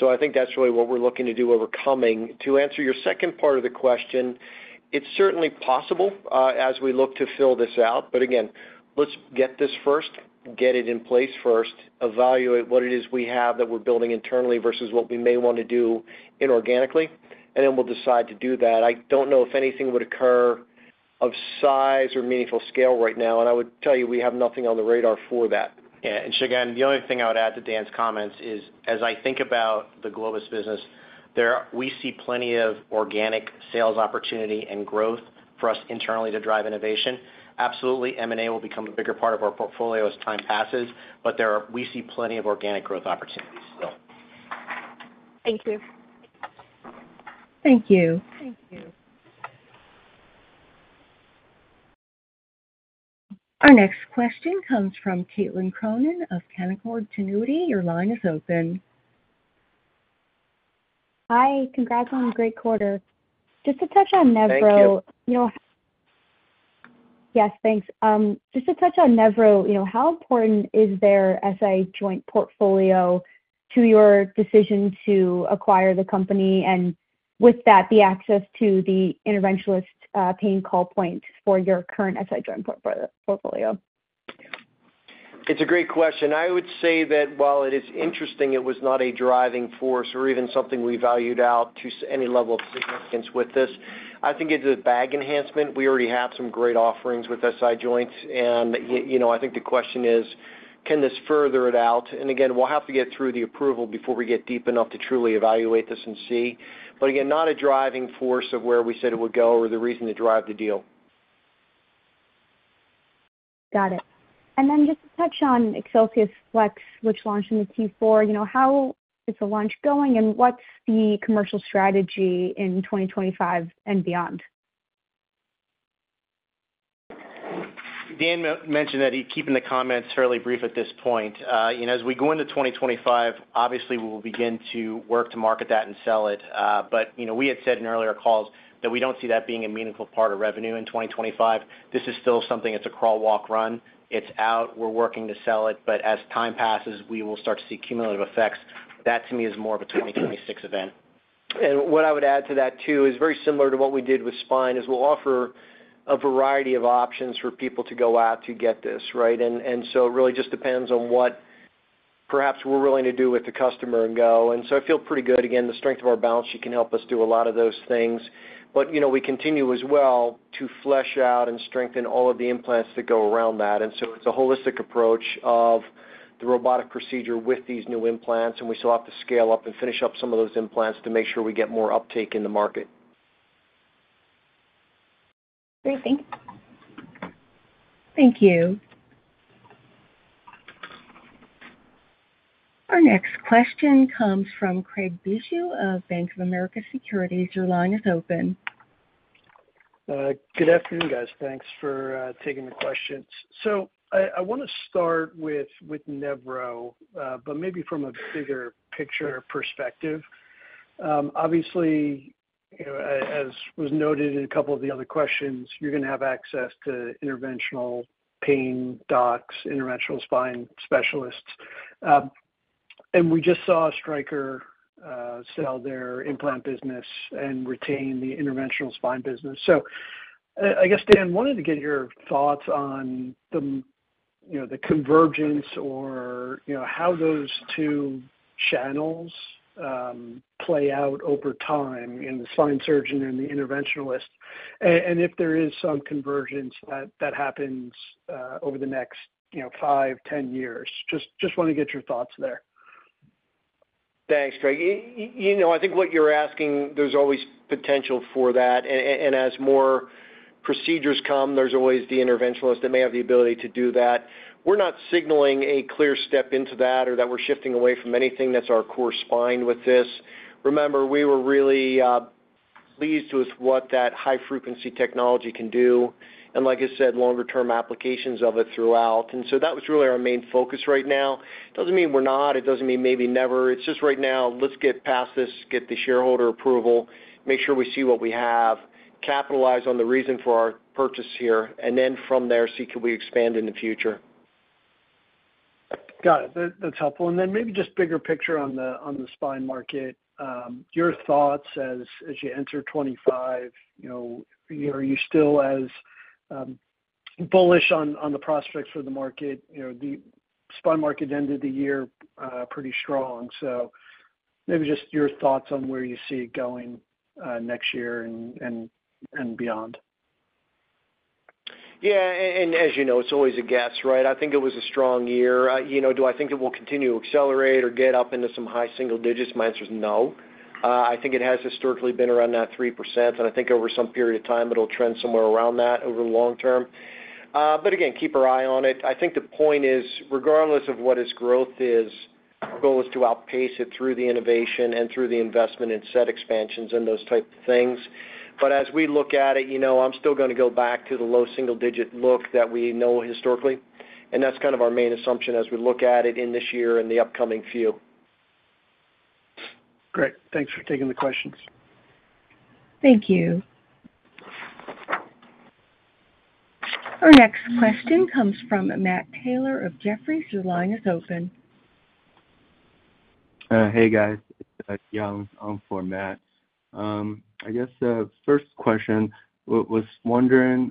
so I think that's really what we're looking to do overcoming. To answer your second part of the question, it's certainly possible as we look to fill this out, but again, let's get this first, get it in place first, evaluate what it is we have that we're building internally versus what we may want to do inorganically, and then we'll decide to do that. I don't know if anything would occur of size or meaningful scale right now. I would tell you we have nothing on the radar for that. Yeah. And again, the only thing I would add to Dan's comments is, as I think about the Globus business, we see plenty of organic sales opportunity and growth for us internally to drive innovation. Absolutely, M&A will become a bigger part of our portfolio as time passes, but we see plenty of organic growth opportunities still. Thank you. Thank you. Thank you. Our next question comes from Caitlin Cronin of Canaccord Genuity. Your line is open. Hi. Congrats on a great quarter. Just to touch on Nevro. Thank you. Yes, thanks. Just to touch on Nevro, you know, how important is their SI joint portfolio to your decision to acquire the company and with that, the access to the interventional pain call point for your current SI joint portfolio? It's a great question. I would say that while it is interesting, it was not a driving force or even something we valued out to any level of significance with this. I think it's a back enhancement. We already have some great offerings with SI joints. And I think the question is, can this further it out? And again, we'll have to get through the approval before we get deep enough to truly evaluate this and see. But again, not a driving force of where we said it would go or the reason to drive the deal. Got it. And then just to touch on ExcelsiusFlex, which launched in the Q4, how is the launch going and what's the commercial strategy in 2025 and beyond? Dan mentioned that he's keeping the comments fairly brief at this point. As we go into 2025, obviously, we will begin to work to market that and sell it. But we had said in earlier calls that we don't see that being a meaningful part of revenue in 2025. This is still something. It's a crawl, walk, run. It's out. We're working to sell it. But as time passes, we will start to see cumulative effects. That, to me, is more of a 2026 event. And what I would add to that too is very similar to what we did with spine is we'll offer a variety of options for people to go out to get this, right? And so it really just depends on what perhaps we're willing to do with the customer and go. And so I feel pretty good. Again, the strength of our balance sheet can help us do a lot of those things. But we continue as well to flesh out and strengthen all of the implants that go around that. And so it's a holistic approach of the robotic procedure with these new implants. And we still have to scale up and finish up some of those implants to make sure we get more uptake in the market. Great. Thank you. Thank you. Our next question comes from Craig Bijou of Bank of America Securities. Your line is open. Good afternoon, guys. Thanks for taking the questions. So I want to start with Nevro, but maybe from a bigger picture perspective. Obviously, as was noted in a couple of the other questions, you're going to have access to interventional pain docs, interventional spine specialists. And we just saw Stryker sell their implant business and retain the interventional spine business. So I guess Dan wanted to get your thoughts on the convergence or how those two channels play out over time in the spine surgeon and the interventionalist. And if there is some convergence that happens over the next five to 10 years. Just want to get your thoughts there. Thanks, Craig. I think what you're asking, there's always potential for that. And as more procedures come, there's always the interventionalist that may have the ability to do that. We're not signaling a clear step into that or that we're shifting away from anything that's our core spine with this. Remember, we were really pleased with what that high-frequency technology can do. And like I said, longer-term applications of it throughout. And so that was really our main focus right now. It doesn't mean we're not. It doesn't mean maybe never. It's just right now. Let's get past this, get the shareholder approval, make sure we see what we have, capitalize on the reason for our purchase here, and then from there, see could we expand in the future. Got it. That's helpful. And then maybe just bigger picture on the spine market. Your thoughts as you enter 2025, are you still as bullish on the prospects for the market? The spine market ended the year pretty strong. So maybe just your thoughts on where you see it going next year and beyond. Yeah. And as you know, it's always a guess, right? I think it was a strong year. Do I think it will continue to accelerate or get up into some high single digits? My answer is no. I think it has historically been around that 3%. And I think over some period of time, it'll trend somewhere around that over the long term. But again, keep an eye on it. I think the point is, regardless of what its growth is, our goal is to outpace it through the innovation and through the investment and set expansions and those types of things. But as we look at it, I'm still going to go back to the low single-digit look that we know historically. And that's kind of our main assumption as we look at it in this year and the upcoming few. Great. Thanks for taking the questions. Thank you. Our next question comes from Matt Taylor of Jefferies. Your line is open. Hey, guys. It's Young on for Matt. I guess the first question was wondering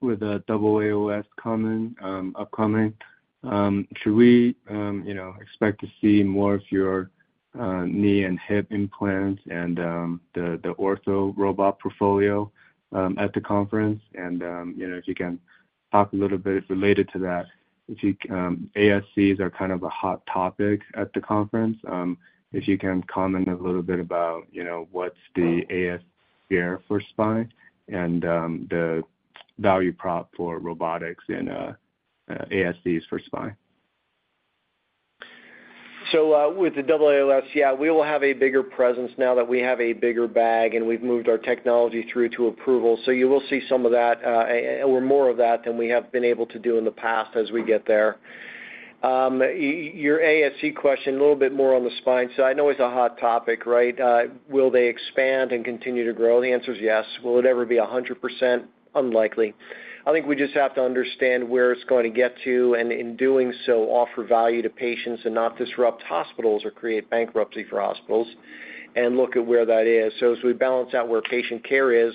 with the AAOS upcoming, should we expect to see more of your knee and hip implants and the ortho robot portfolio at the conference? And if you can talk a little bit related to that, ASCs are kind of a hot topic at the conference. If you can comment a little bit about what's the ASC share for spine and the value prop for robotics and ASCs for spine. So with the AAOS, yeah, we will have a bigger presence now that we have a bigger bag and we've moved our technology through to approval. So you will see some of that or more of that than we have been able to do in the past as we get there. Your ASC question, a little bit more on the spine. So I know it's a hot topic, right? Will they expand and continue to grow? The answer is yes. Will it ever be 100%? Unlikely. I think we just have to understand where it's going to get to and in doing so, offer value to patients and not disrupt hospitals or create bankruptcy for hospitals and look at where that is. So as we balance out where patient care is,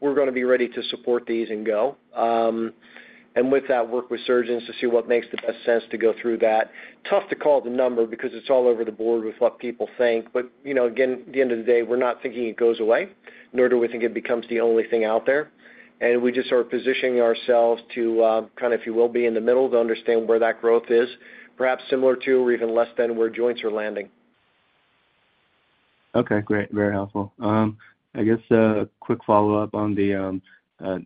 we're going to be ready to support these and go. And with that, work with surgeons to see what makes the best sense to go through that. Tough to call the number because it's all over the board with what people think. But again, at the end of the day, we're not thinking it goes away, nor do we think it becomes the only thing out there. We just are positioning ourselves to kind of, if you will, be in the middle to understand where that growth is, perhaps similar to or even less than where joints are landing. Okay. Great. Very helpful. I guess a quick follow-up on the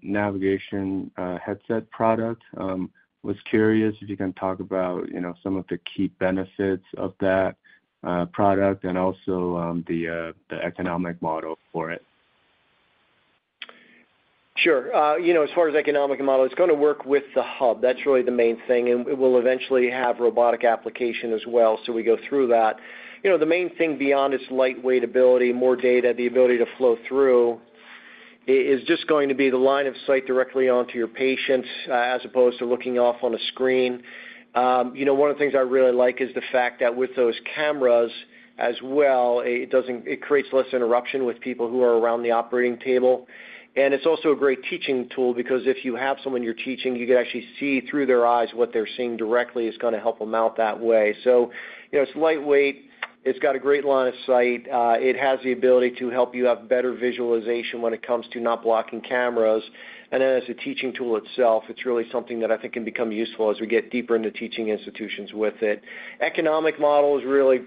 navigation headset product. I was curious if you can talk about some of the key benefits of that product and also the economic model for it. Sure. As far as economic model, it's going to work with the hub. That's really the main thing. And we'll eventually have robotic application as well. So we go through that. The main thing beyond its lightweight ability, more data, the ability to flow through, is just going to be the line of sight directly onto your patients as opposed to looking off on a screen. One of the things I really like is the fact that with those cameras as well, it creates less interruption with people who are around the operating table. And it's also a great teaching tool because if you have someone you're teaching, you can actually see through their eyes what they're seeing directly is going to help them out that way. So it's lightweight. It's got a great line of sight. It has the ability to help you have better visualization when it comes to not blocking cameras. And then as a teaching tool itself, it's really something that I think can become useful as we get deeper into teaching institutions with it. Economic model is really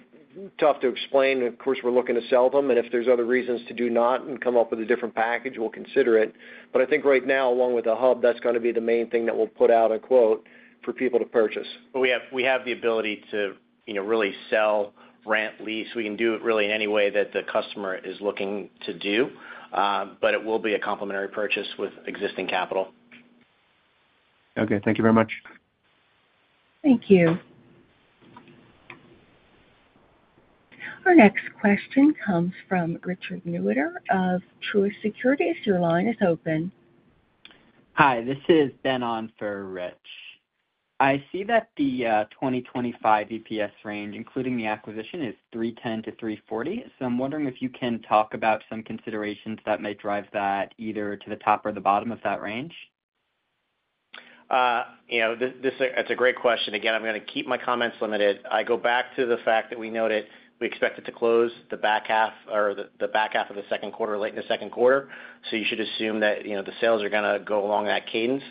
tough to explain. Of course, we're looking to sell them. And if there's other reasons to do not and come up with a different package, we'll consider it. But I think right now, along with the hub, that's going to be the main thing that we'll put out a quote for people to purchase. We have the ability to really sell, rent, lease. We can do it really in any way that the customer is looking to do. But it will be a complementary purchase with existing capital. Okay. Thank you very much. Thank you. Our next question comes from Richard Newitter of Truist Securities. Your line is open. Hi. This is Ben on for Rich. I see that the 2025 EPS range, including the acquisition, is $3.10-$3.40. So I'm wondering if you can talk about some considerations that might drive that either to the top or the bottom of that range. That's a great question. Again, I'm going to keep my comments limited. I go back to the fact that we noted we expect it to close the back half or the back half of the second quarter, late in the second quarter. So you should assume that the sales are going to go along that cadence.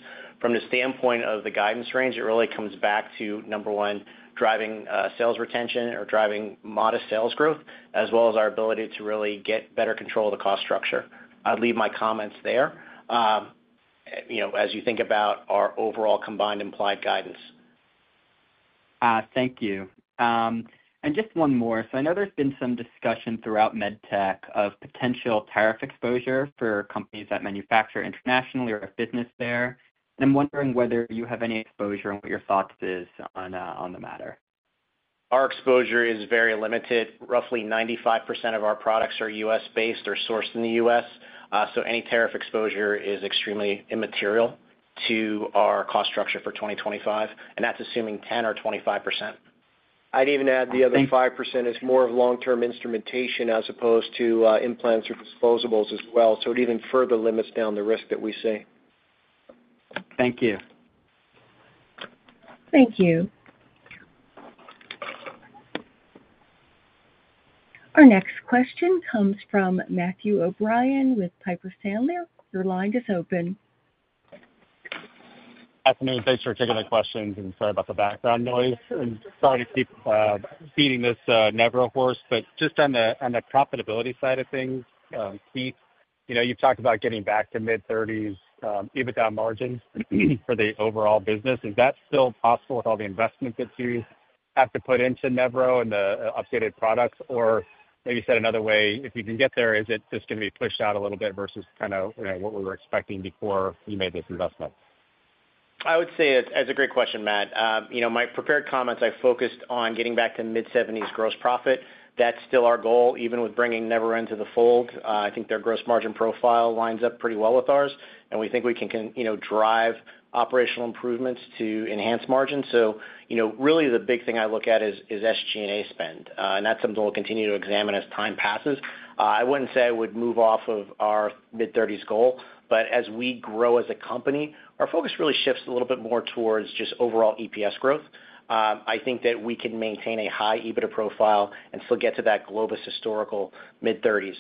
From the standpoint of the guidance range, it really comes back to, number one, driving sales retention or driving modest sales growth, as well as our ability to really get better control of the cost structure. I'll leave my comments there as you think about our overall combined implied guidance. Thank you. And just one more. So I know there's been some discussion throughout MedTech of potential tariff exposure for companies that manufacture internationally or have business there. And I'm wondering whether you have any exposure and what your thought is on the matter. Our exposure is very limited. Roughly 95% of our products are U.S.-based or sourced in the U.S. So any tariff exposure is extremely immaterial to our cost structure for 2025. And that's assuming 10% or 25% I'd even add the other 5% is more of long-term instrumentation as opposed to implants or disposables as well. So it even further limits down the risk that we see. Thank you. Thank you. Our next question comes from Matthew O'Brien with Piper Sandler. Your line is open. Good afternoon. Thanks for taking the questions and sorry about the background noise. I'm sorry to keep feeding this Nevro horse. But just on the profitability side of things, Keith, you've talked about getting back to mid-30s EBITDA margins for the overall business. Is that still possible with all the investment that you have to put into Nevro and the updated products? Or maybe said another way, if you can get there, is it just going to be pushed out a little bit versus kind of what we were expecting before you made this investment? I would say it's a great question, Matt. My prepared comments, I focused on getting back to mid-70s gross profit. That's still our goal, even with bringing Nevro into the fold. I think their gross margin profile lines up pretty well with ours. And we think we can drive operational improvements to enhance margin. So really, the big thing I look at is SG&A spend. And that's something we'll continue to examine as time passes. I wouldn't say I would move off of our mid-30s goal. But as we grow as a company, our focus really shifts a little bit more towards just overall EPS growth. I think that we can maintain a high EBITDA profile and still get to that Globus historical mid-30s.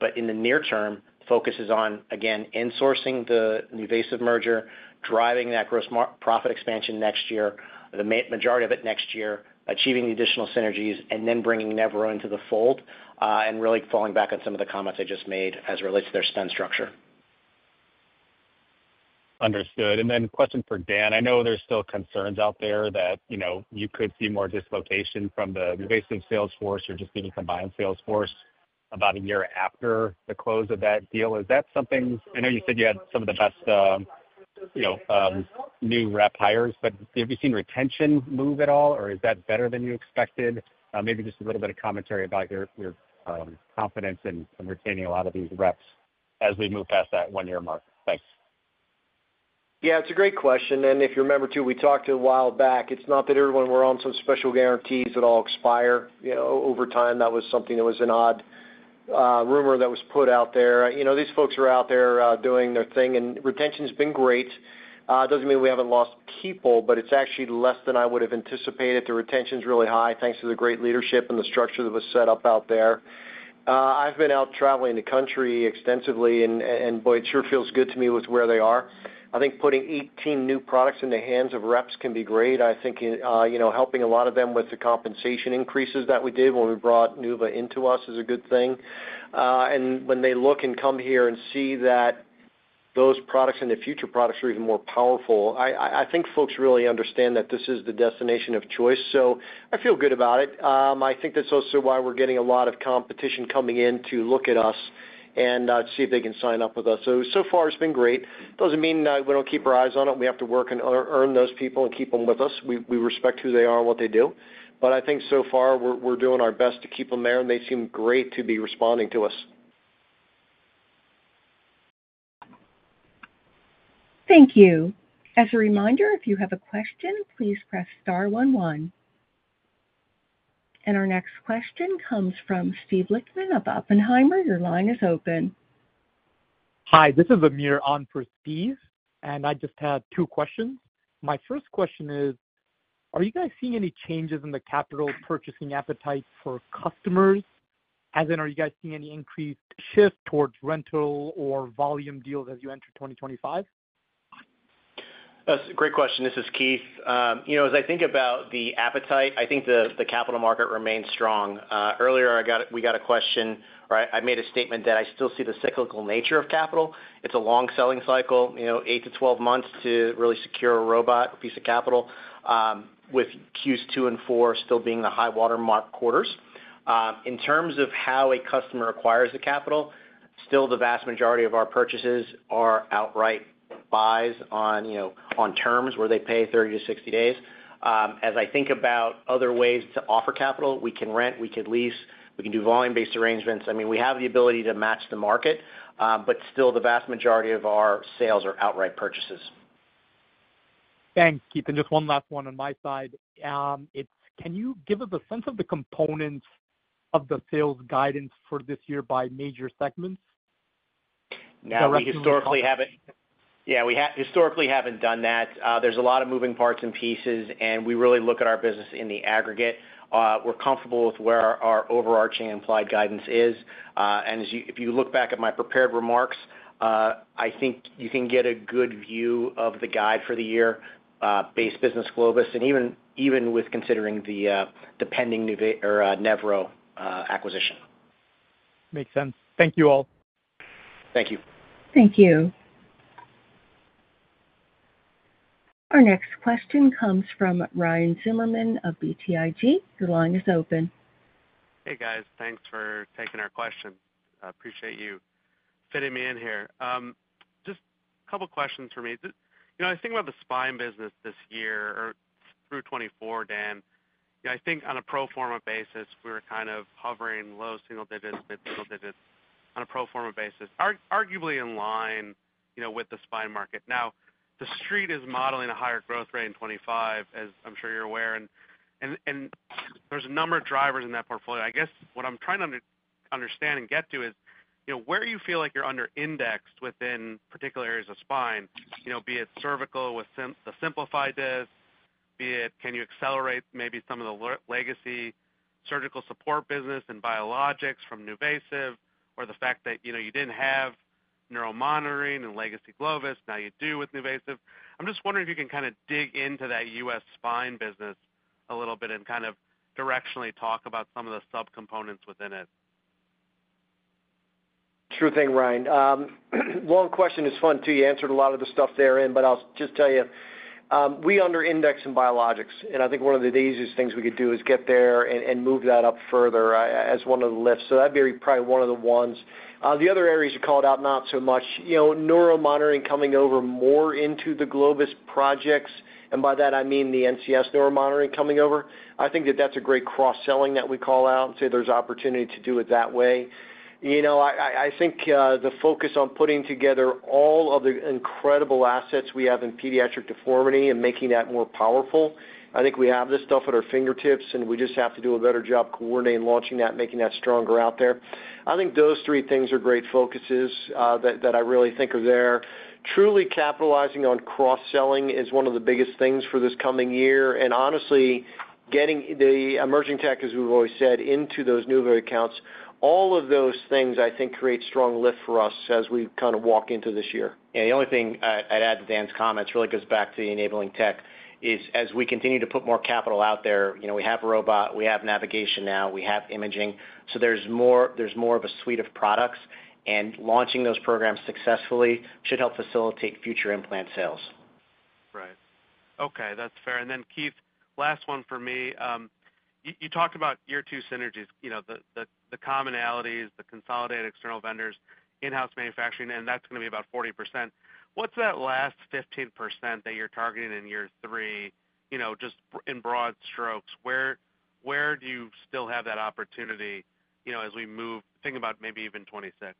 But in the near term, focus is on, again, insourcing the NuVasive merger, driving that gross profit expansion next year, the majority of it next year, achieving the additional synergies, and then bringing Nevro into the fold and really falling back on some of the comments I just made as it relates to their spend structure. Understood. And then a question for Dan. I know there's still concerns out there that you could see more dislocation from the NuVasive sales force or just even combined sales force about a year after the close of that deal. Is that something? I know you said you had some of the best new rep hires. But have you seen retention move at all? Or is that better than you expected? Maybe just a little bit of commentary about your confidence in retaining a lot of these reps as we move past that one-year mark. Thanks. Yeah. It's a great question. And if you remember too, we talked a while back, it's not that everyone were on some special guarantees that all expire over time. That was something that was an odd rumor that was put out there. These folks were out there doing their thing. And retention has been great. It doesn't mean we haven't lost people. But it's actually less than I would have anticipated. The retention is really high thanks to the great leadership and the structure that was set up out there. I've been out traveling the country extensively. And boy, it sure feels good to me with where they are. I think putting 18 new products in the hands of reps can be great. I think helping a lot of them with the compensation increases that we did when we brought NuVasive into us is a good thing, and when they look and come here and see that those products and the future products are even more powerful, I think folks really understand that this is the destination of choice, so I feel good about it. I think that's also why we're getting a lot of competition coming in to look at us and see if they can sign up with us. So, so far, it's been great. It doesn't mean we don't keep our eyes on it. We have to work and earn those people and keep them with us. We respect who they are and what they do, but I think so far, we're doing our best to keep them there, and they seem great to be responding to us. Thank you. As a reminder, if you have a question, please press star one one. And our next question comes from Steve Lichtman of Oppenheimer. Your line is open. Hi. This is Aamir on for Steve. And I just had two questions. My first question is, are you guys seeing any changes in the capital purchasing appetite for customers? As in, are you guys seeing any increased shift towards rental or volume deals as you enter 2025? That's a great question. This is Keith. As I think about the appetite, I think the capital market remains strong. Earlier, we got a question or I made a statement that I still see the cyclical nature of capital. It's a long selling cycle, eight to 12 months to really secure a robot piece of capital with Q2 and Q4 still being the high watermark quarters. In terms of how a customer acquires the capital, still the vast majority of our purchases are outright buys on terms where they pay 30-60 days. As I think about other ways to offer capital, we can rent, we can lease, we can do volume-based arrangements. I mean, we have the ability to match the market. But still, the vast majority of our sales are outright purchases. Thanks, Keith. And just one last one on my side. Can you give us a sense of the components of the sales guidance for this year by major segments? Now, we historically haven't done that. There's a lot of moving parts and pieces. And we really look at our business in the aggregate. We're comfortable with where our overarching implied guidance is. And if you look back at my prepared remarks, I think you can get a good view of the guide for the year base business, Globus, and even with considering the pending Nevro acquisition. Makes sense. Thank you all. Thank you. Thank you. Our next question comes from Ryan Zimmerman of BTIG. Your line is open. Hey, guys. Thanks for taking our question. Appreciate you fitting me in here. Just a couple of questions for me. I was thinking about the spine business this year or through 2024, Dan. I think on a pro forma basis, we were kind of hovering low single digits, mid-single digits on a pro forma basis, arguably in line with the spine market. Now, the street is modeling a higher growth rate in 2025, as I'm sure you're aware. And there's a number of drivers in that portfolio. I guess what I'm trying to understand and get to is where you feel like you're under-indexed within particular areas of spine, be it cervical with the Simplify disc, be it can you accelerate maybe some of the legacy surgical support business and biologics from NuVasive, or the fact that you didn't have neuromonitoring and legacy Globus, now you do with NuVasive. I'm just wondering if you can kind of dig into that US spine business a little bit and kind of directionally talk about some of the subcomponents within it. Sure thing, Ryan. Long question is fun too. You answered a lot of the stuff therein. But I'll just tell you, we under-index in biologics. And I think one of the easiest things we could do is get there and move that up further as one of the lifts. So that'd be probably one of the ones. The other areas you called out not so much, neuromonitoring coming over more into the Globus projects. And by that, I mean the NCS neuromonitoring coming over. I think that that's a great cross-selling that we call out and say there's opportunity to do it that way. I think the focus on putting together all of the incredible assets we have in pediatric deformity and making that more powerful. I think we have this stuff at our fingertips. And we just have to do a better job coordinating and launching that, making that stronger out there. I think those three things are great focuses that I really think are there. Truly capitalizing on cross-selling is one of the biggest things for this coming year. And honestly, getting the emerging tech, as we've always said, into those NuVasive accounts, all of those things I think create strong lift for us as we kind of walk into this year. Yeah. The only thing I'd add to Dan's comments really goes back to the enabling tech is as we continue to put more capital out there, we have robot, we have navigation now, we have imaging. So there's more of a suite of products. And launching those programs successfully should help facilitate future implant sales. Right. Okay. That's fair. And then, Keith, last one for me. You talked about year-two synergies, the commonalities, the consolidated external vendors, in-house manufacturing. And that's going to be about 40%. What's that last 15% that you're targeting in year three, just in broad strokes? Where do you still have that opportunity as we move, thinking about maybe even 2026?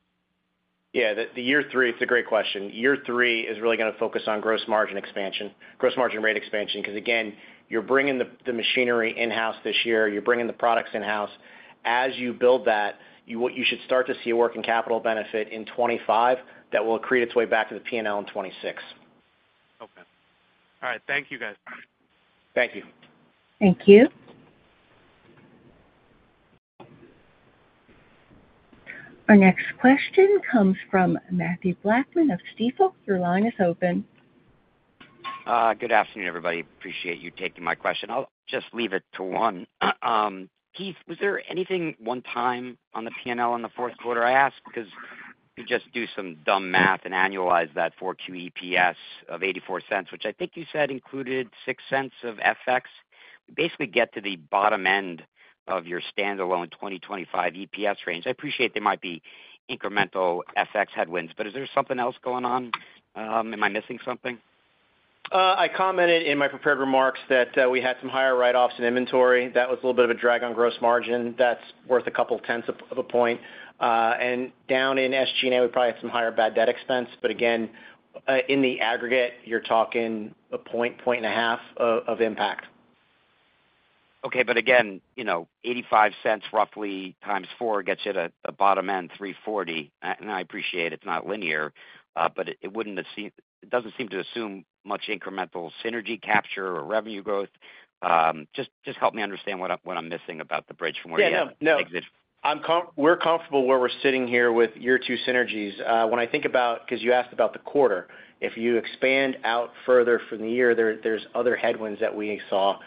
Yeah. The year three, it's a great question. Year three is really going to focus on gross margin expansion, gross margin rate expansion. Because again, you're bringing the machinery in-house this year. You're bringing the products in-house. As you build that, you should start to see a working capital benefit in 2025 that will create its way back to the P&L in 2026. Okay. All right. Thank you, guys. Thank you. Thank you. Our next question comes from Mathew Blackman of Stifel. Your line is open. Good afternoon, everybody. Apreciate you taking my question. I'll just leave it to one. Keith, was there anything one-time on the P&L in the fourth quarter? I ask because you just do some dumb math and annualize that for Q4 EPS of $0.84, which I think you said included $0.06 of FX. We basically get to the bottom end of your standalone 2025 EPS range. I appreciate there might be incremental FX headwinds. But is there something else going on? Am I missing something? I commented in my prepared remarks that we had some higher write-offs in inventory. That was a little bit of a drag on gross margin. That's worth a couple of tenths of a point. And down in SG&A, we probably had some higher bad debt expense. But again, in the aggregate, you're talking a point, point and a half of impact. Okay. But again, $0.85 roughly times 4 gets you to the bottom end, $3.40. And I appreciate it's not linear. But it doesn't seem to assume much incremental synergy capture or revenue growth. Just help me understand what I'm missing about the bridge from where you exit. Yeah. No. We're comfortable where we're sitting here with year-two synergies. When I think about because you asked about the quarter, if you expand out further from the year, there's other headwinds that we saw.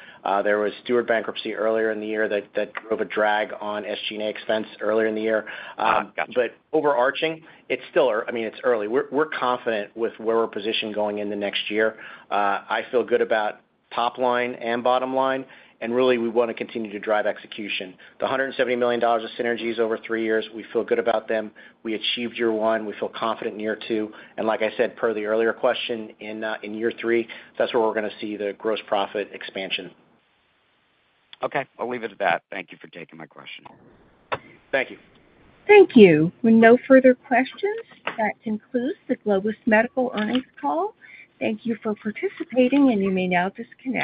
There was Steward bankruptcy earlier in the year that drove a drag on SG&A expense earlier in the year. But overarching, it's still early. We're confident with where we're positioned going in the next year. I feel good about top line and bottom line. And really, we want to continue to drive execution. The $170,000,000 synergies over three years, we feel good about them. We achieved year one. We feel confident in year two. And like I said, per the earlier question, in year three, that's where we're going to see the gross profit expansion. Okay. I'll leave it at that. Thank you for taking my question. Thank you. Thank you. With no further questions, that concludes the Globus Medical Earnings Call. Thank you for participating, and you may now disconnect.